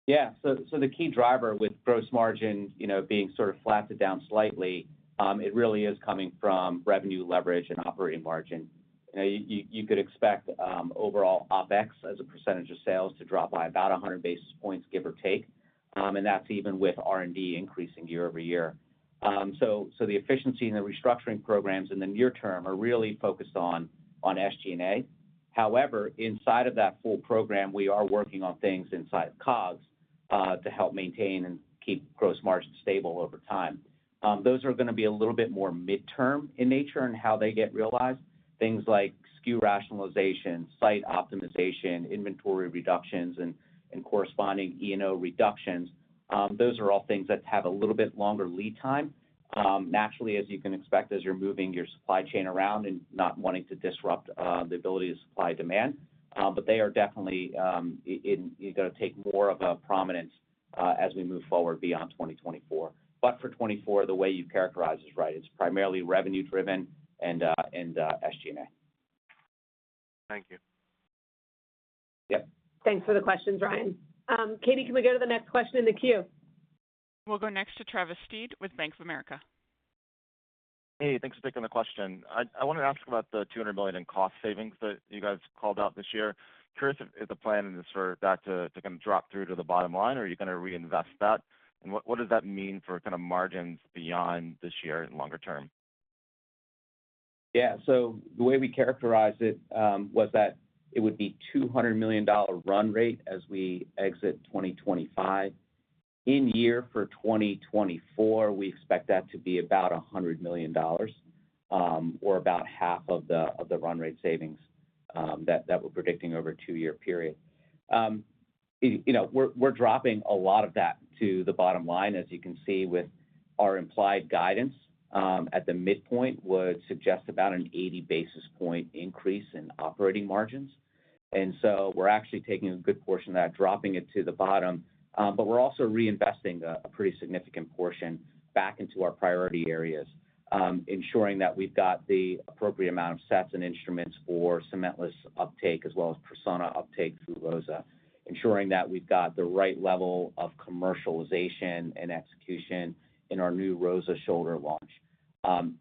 Yeah. So the key driver with gross margin, you know, being sort of flattened down slightly, it really is coming from revenue leverage and operating margin. Now, you could expect overall OpEx as a percentage of sales to drop by about 100 basis points, give or take, and that's even with R&D increasing year-over-year. So the efficiency and the restructuring programs in the near term are really focused on SG&A. However, inside of that full program, we are working on things inside COGS to help maintain and keep gross margins stable over time. Those are gonna be a little bit more midterm in nature in how they get realized, things like SKU rationalization, site optimization, inventory reductions, and corresponding E&O reductions. Those are all things that have a little bit longer lead time, naturally, as you can expect, as you're moving your supply chain around and not wanting to disrupt the ability to supply demand. But they are definitely gonna take more of a prominence as we move forward beyond 2024. But for 2024, the way you characterize it is right. It's primarily revenue driven and SG&A. Thank you. Yep. Thanks for the questions, Ryan. Katie, can we go to the next question in the queue? We'll go next to Travis Steed with Bank of America. Hey, thanks for taking the question. I wanted to ask about the $200 million in cost savings that you guys called out this year. Curious if the plan is for that to kind of drop through to the bottom line, or are you gonna reinvest that? And what does that mean for kind of margins beyond this year and longer term? Yeah. So the way we characterized it was that it would be $200 million run rate as we exit 2025. In 2024, we expect that to be about $100 million, or about half of the run rate savings that we're predicting over a two-year period. You know, we're dropping a lot of that to the bottom line, as you can see, with our implied guidance at the midpoint would suggest about an 80 basis point increase in operating margins. So we're actually taking a good portion of that, dropping it to the bottom. But we're also reinvesting a pretty significant portion back into our priority areas, ensuring that we've got the appropriate amount of sets and instruments for cementless uptake, as well as Persona uptake through ROSA. Ensuring that we've got the right level of commercialization and execution in our new ROSA Shoulder launch.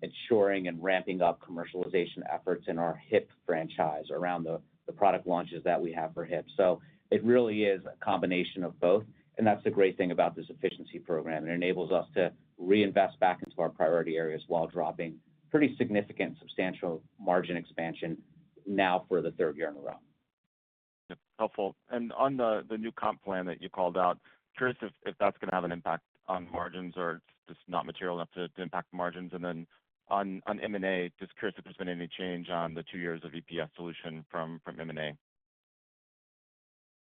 Ensuring and ramping up commercialization efforts in our hip franchise around the product launches that we have for hip. So it really is a combination of both, and that's the great thing about this efficiency program. It enables us to reinvest back into our priority areas while dropping pretty significant, substantial margin expansion now for the third year in a row. Yep, helpful. And on the new comp plan that you called out, curious if that's gonna have an impact on margins or it's just not material enough to impact the margins? And then on M&A, just curious if there's been any change on the two years of EPS dilution from M&A.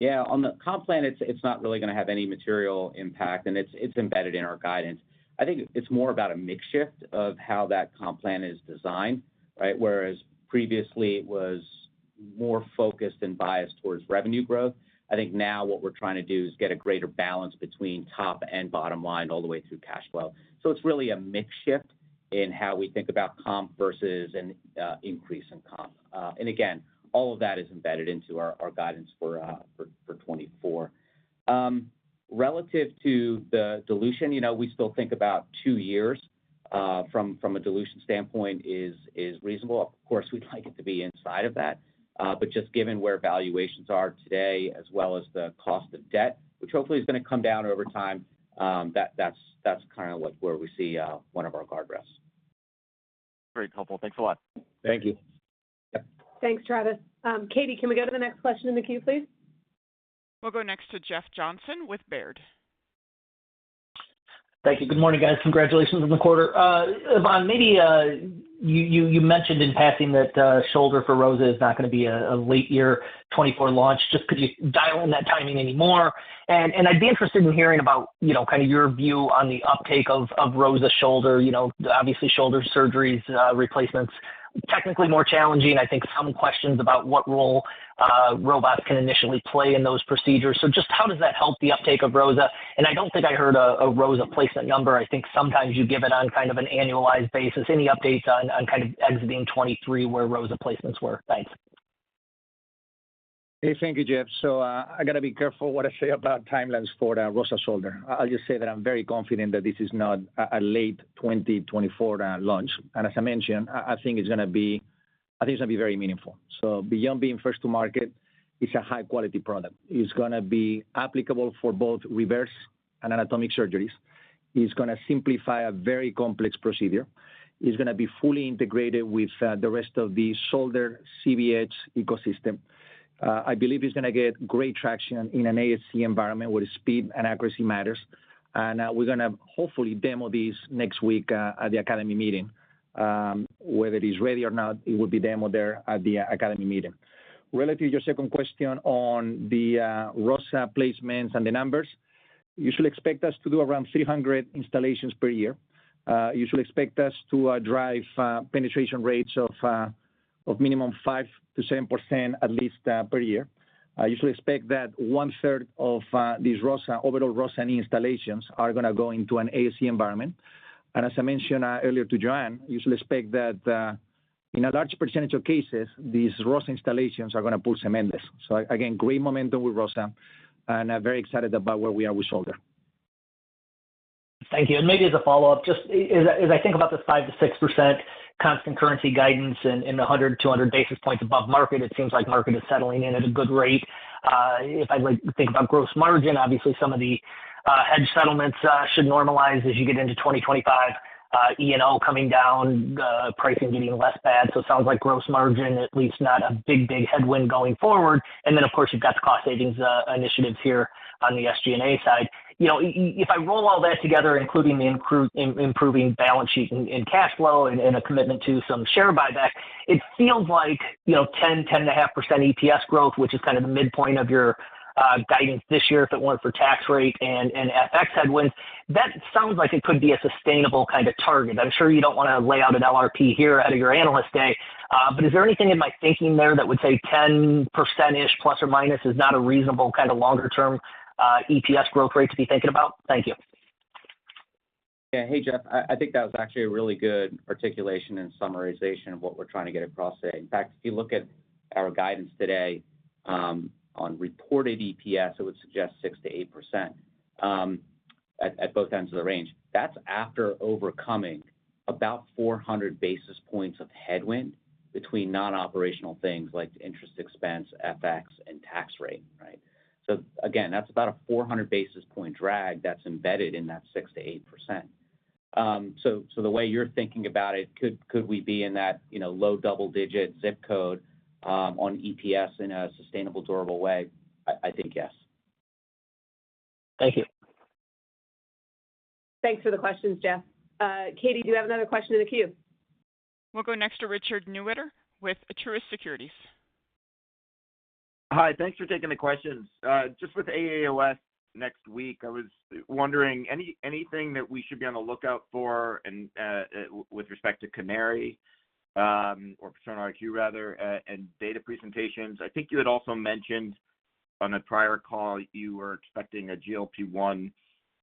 Yeah. On the comp plan, it's not really gonna have any material impact, and it's embedded in our guidance. I think it's more about a mix shift of how that comp plan is designed, right? Whereas previously, it was more focused and biased towards revenue growth. I think now what we're trying to do is get a greater balance between top and bottom line, all the way through cash flow. So it's really a mix shift in how we think about comp versus an increase in comp. And again, all of that is embedded into our guidance for 2024. Relative to the dilution, you know, we still think about two years from a dilution standpoint is reasonable. Of course, we'd like it to be inside of that. But just given where valuations are today, as well as the cost of debt, which hopefully is gonna come down over time, that's kind of like where we see one of our guardrails. Very helpful. Thanks a lot. Thank you. Thanks, Travis. Katie, can we go to the next question in the queue, please? We'll go next to Jeff Johnson with Baird. Thank you. Good morning, guys. Congratulations on the quarter. Ivan, maybe you mentioned in passing that shoulder for ROSA is not gonna be a late year 2024 launch. Just could you dial in that timing any more? And I'd be interested in hearing about, you know, kind of your view on the uptake of ROSA shoulder. You know, obviously, shoulder surgeries, replacements, technically more challenging. I think some questions about what role robots can initially play in those procedures. So just how does that help the uptake of ROSA? And I don't think I heard a ROSA placement number. I think sometimes you give it on kind of an annualized basis. Any updates on kind of exiting 2023, where ROSA placements were? Thanks. Hey, thank you, Jeff. So, I gotta be careful what I say about timelines for the ROSA Shoulder. I'll just say that I'm very confident that this is not a late 2024 launch. And as I mentioned, I think it's gonna be. I think it's gonna be very meaningful. So beyond being first to market, it's a high-quality product. It's gonna be applicable for both reverse and anatomic surgeries. It's gonna simplify a very complex procedure. It's gonna be fully integrated with the rest of the shoulder ZBH ecosystem. I believe it's gonna get great traction in an ASC environment where speed and accuracy matters. And, we're gonna hopefully demo this next week at the Academy meeting. Whether it is ready or not, it will be demoed there at the Academy meeting. Relative to your second question on the ROSA placements and the numbers, you should expect us to do around 300 installations per year. You should expect us to drive penetration rates of minimum 5%-10%, at least, per year. You should expect that one third of these ROSA, overall ROSA installations are gonna go into an ASC environment. And as I mentioned earlier to Joanne, you should expect that in a large percentage of cases, these ROSA installations are gonna pull cementless. So again, great momentum with ROSA, and I'm very excited about where we are with shoulder. Thank you. And maybe as a follow-up, just as I think about the 5%-6% constant currency guidance and the 100-200 basis points above market, it seems like market is settling in at a good rate. If I like think about gross margin, obviously some of the hedge settlements should normalize as you get into 2025, E&O coming down, pricing getting less bad. So it sounds like gross margin, at least not a big, big headwind going forward. And then, of course, you've got the cost savings initiatives here on the SG&A side. You know, if I roll all that together, including the improving balance sheet and cash flow and a commitment to some share buyback, it feels like, you know, 10%-10.5% EPS growth, which is kind of the midpoint of your guidance this year, if it weren't for tax rate and FX headwinds, that sounds like it could be a sustainable kind of target. I'm sure you don't want to lay out an LRP here out of your Analyst Day, but is there anything in my thinking there that would say 10%, plus or minus, is not a reasonable kind of longer-term EPS growth rate to be thinking about? Thank you. Yeah. Hey, Jeff, I think that was actually a really good articulation and summarization of what we're trying to get across today. In fact, if you look at our guidance today, on reported EPS, it would suggest 6%-8%, at both ends of the range. That's after overcoming about 400 basis points of headwind between non-operational things like interest expense, FX, and tax rate, right? So again, that's about a 400 basis point drag that's embedded in that 6%-8%. The way you're thinking about it, could we be in that, you know, low double digit ZIP code, on EPS in a sustainable, durable way? I think yes. Thank you. Thanks for the questions, Jeff. Katie, do you have another question in the queue? We'll go next to Richard Newitter with Truist Securities. Hi. Thanks for taking the questions. Just with AAOS next week, I was wondering, anything that we should be on the lookout for and, with respect to Canary? Or Persona IQ rather, and data presentations. I think you had also mentioned on a prior call, you were expecting a GLP-1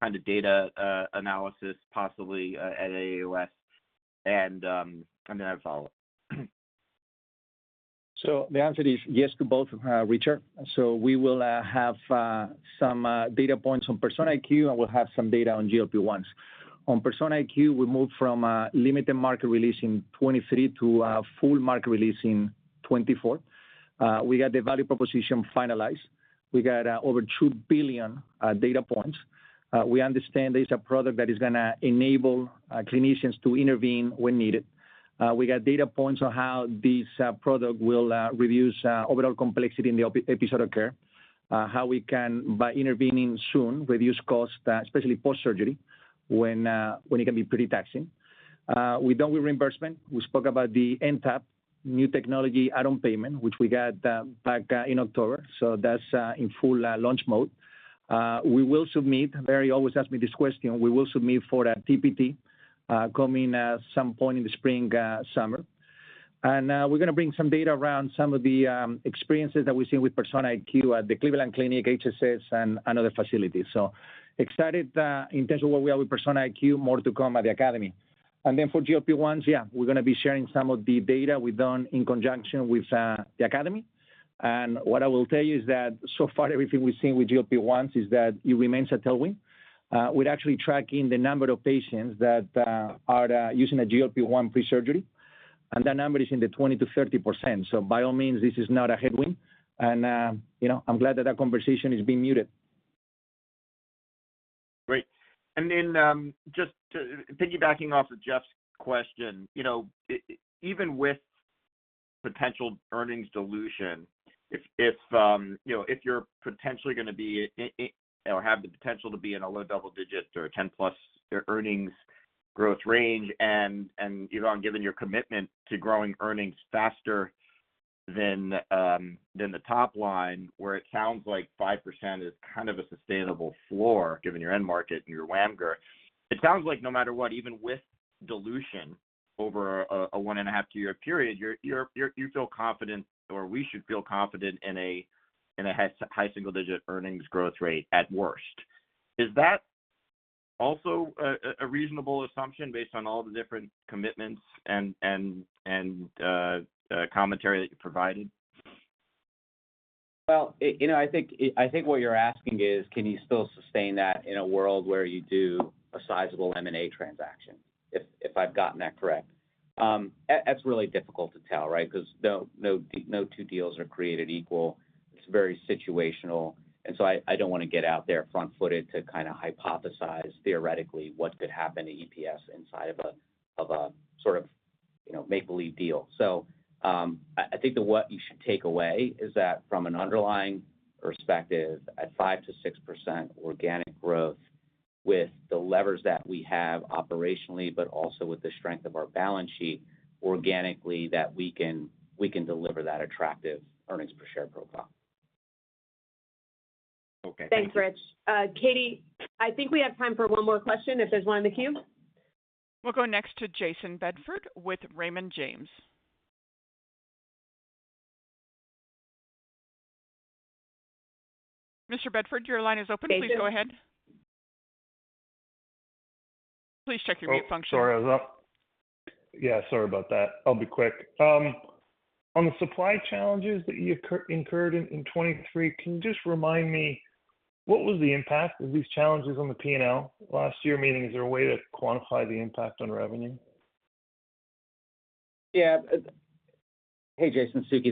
kind of data analysis, possibly at AAOS. And then I have a follow-up. So the answer is yes to both, Richard. So we will have some data points on Persona IQ, and we'll have some data on GLP-1s. On Persona IQ, we moved from limited market release in 2023 to a full market release in 2024. We got the value proposition finalized. We got over two billion data points. We understand this is a product that is gonna enable clinicians to intervene when needed. We got data points on how this product will reduce overall complexity in the episodic care. How we can, by intervening soon, reduce costs, especially post-surgery, when it can be pretty taxing. We're done with reimbursement. We spoke about the NTAP, new technology add-on payment, which we got back in October, so that's in full launch mode. We will submit. Larry always asks me this question, we will submit for a TPT coming some point in the spring, summer. We're gonna bring some data around some of the experiences that we've seen with Persona IQ at the Cleveland Clinic, HSS, and other facilities. So excited in terms of where we are with Persona IQ. More to come at the Academy. Then for GLP-1s, yeah, we're gonna be sharing some of the data we've done in conjunction with the Academy. What I will tell you is that so far, everything we've seen with GLP-1s is that it remains a tailwind. We're actually tracking the number of patients that are using a GLP-1 pre-surgery, and that number is in the 20%-30%. So by all means, this is not a headwind. And, you know, I'm glad that that conversation is being muted. Great. Then, just to piggyback off of Jeff's question, you know, even with potential earnings dilution, if, if you know, if you're potentially gonna be in a low double-digit or a 10+ earnings growth range, and, and, Ivan, given your commitment to growing earnings faster than the top line, where it sounds like 5% is kind of a sustainable floor, given your end market and your WAMGR. It sounds like no matter what, even with dilution over a 1.5-2-year period, you're, you're, you feel confident, or we should feel confident in a high single-digit earnings growth rate at worst. Is that also a reasonable assumption based on all the different commitments and commentary that you provided? Well, you know, I think, I think what you're asking is, can you still sustain that in a world where you do a sizable M&A transaction? If, if I've gotten that correct. That's really difficult to tell, right? Because no, no, no two deals are created equal. It's very situational, and so I, I don't wanna get out there front-footed to kind of hypothesize theoretically what could happen to EPS inside of a, of a sort of, you know, make-believe deal. So, I, I think that what you should take away is that from an underlying perspective, at 5%-6% organic growth with the levers that we have operationally, but also with the strength of our balance sheet, organically, that we can, we can deliver that attractive earnings per share profile. Okay, thank you. Thanks, Rich. Katie, I think we have time for one more question, if there's one in the queue. We'll go next to Jason Bedford with Raymond James. Mr. Bedford, your line is open. Please go ahead. Please check your mute function. Oh, sorry, I was up. Yeah, sorry about that. I'll be quick. On the supply challenges that you incurred in 2023, can you just remind me, what was the impact of these challenges on the P&L last year? Meaning, is there a way to quantify the impact on revenue? Yeah. Hey, Jason, it's Suky.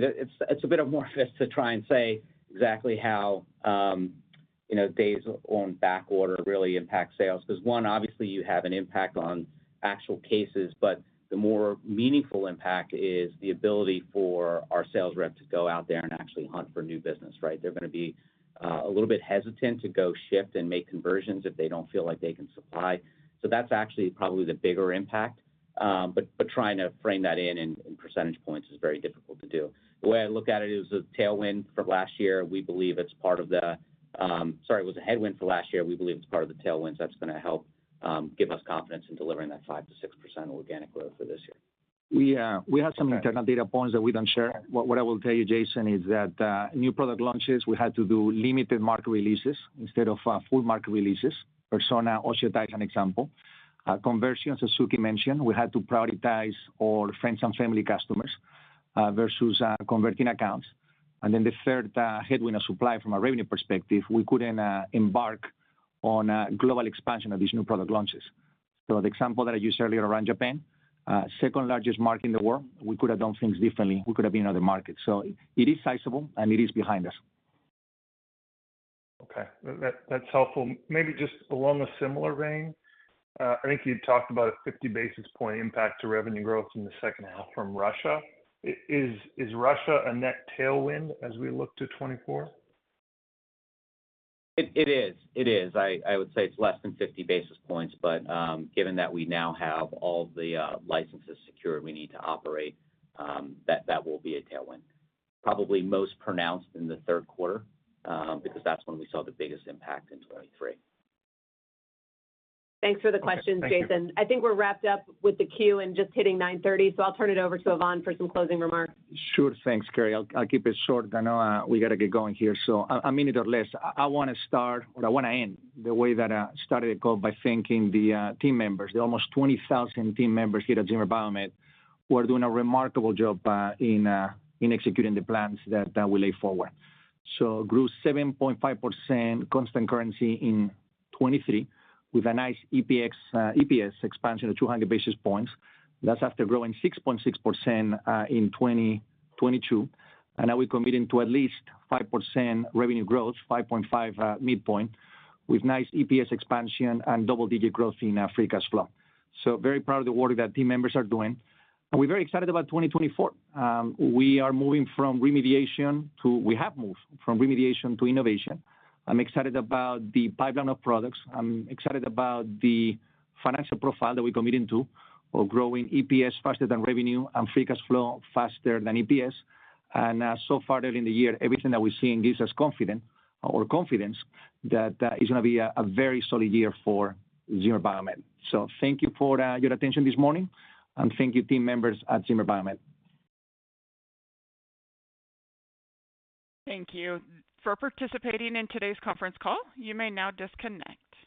It's a bit more to try and say exactly how, you know, days on backorder really impact sales. Because one, obviously, you have an impact on actual cases, but the more meaningful impact is the ability for our sales rep to go out there and actually hunt for new business, right? They're gonna be a little bit hesitant to go shift and make conversions if they don't feel like they can supply. So that's actually probably the bigger impact. But trying to frame that in percentage points is very difficult to do. The way I look at it is a tailwind from last year. We believe it's part of the. Sorry, it was a headwind for last year. We believe it's part of the tailwinds that's gonna help give us confidence in delivering that 5%-6% organic growth for this year. We, we have some internal data points that we don't share. What, what I will tell you, Jason, is that, new product launches, we had to do limited market releases instead of, full market releases. Persona OsseoTi is an example. Conversion, as Suky mentioned, we had to prioritize our friends and family customers, versus, converting accounts. And then the third, headwind of supply from a revenue perspective, we couldn't, embark on, global expansion of these new product launches. So the example that I used earlier around Japan, second-largest market in the world, we could have done things differently. We could have been another market. So it is sizable, and it is behind us. Okay, that, that's helpful. Maybe just along a similar vein. I think you talked about a 50 basis point impact to revenue growth in the second half from Russia. Is Russia a net tailwind as we look to 2024? It is. I would say it's less than 50 basis points, but given that we now have all the licenses secured we need to operate, that will be a tailwind. Probably most pronounced in the third quarter, because that's when we saw the biggest impact in 2023. Thanks for the questions, Jason. Thank you. I think we're wrapped up with the queue and just hitting 9:30, so I'll turn it over to Ivan for some closing remarks. Sure. Thanks, Keri. I'll keep it short. I know we gotta get going here. So a minute or less. I wanna end the way that I started the call by thanking the team members, the almost 20,000 team members here at Zimmer Biomet, who are doing a remarkable job in executing the plans that we lay forward. So grew 7.5% constant currency in 2023, with a nice EPS expansion of 200 basis points. That's after growing 6.6% in 2022, and now we're committing to at least 5% revenue growth, 5.5 midpoint, with nice EPS expansion and double-digit growth in free cash flow. So very proud of the work that team members are doing, and we're very excited about 2024. We have moved from remediation to innovation. I'm excited about the pipeline of products. I'm excited about the financial profile that we're committing to, of growing EPS faster than revenue and free cash flow faster than EPS. So far during the year, everything that we're seeing gives us confident or confidence that it's gonna be a very solid year for Zimmer Biomet. Thank you for your attention this morning, and thank you, team members at Zimmer Biomet. Thank you. For participating in today's conference call, you may now disconnect.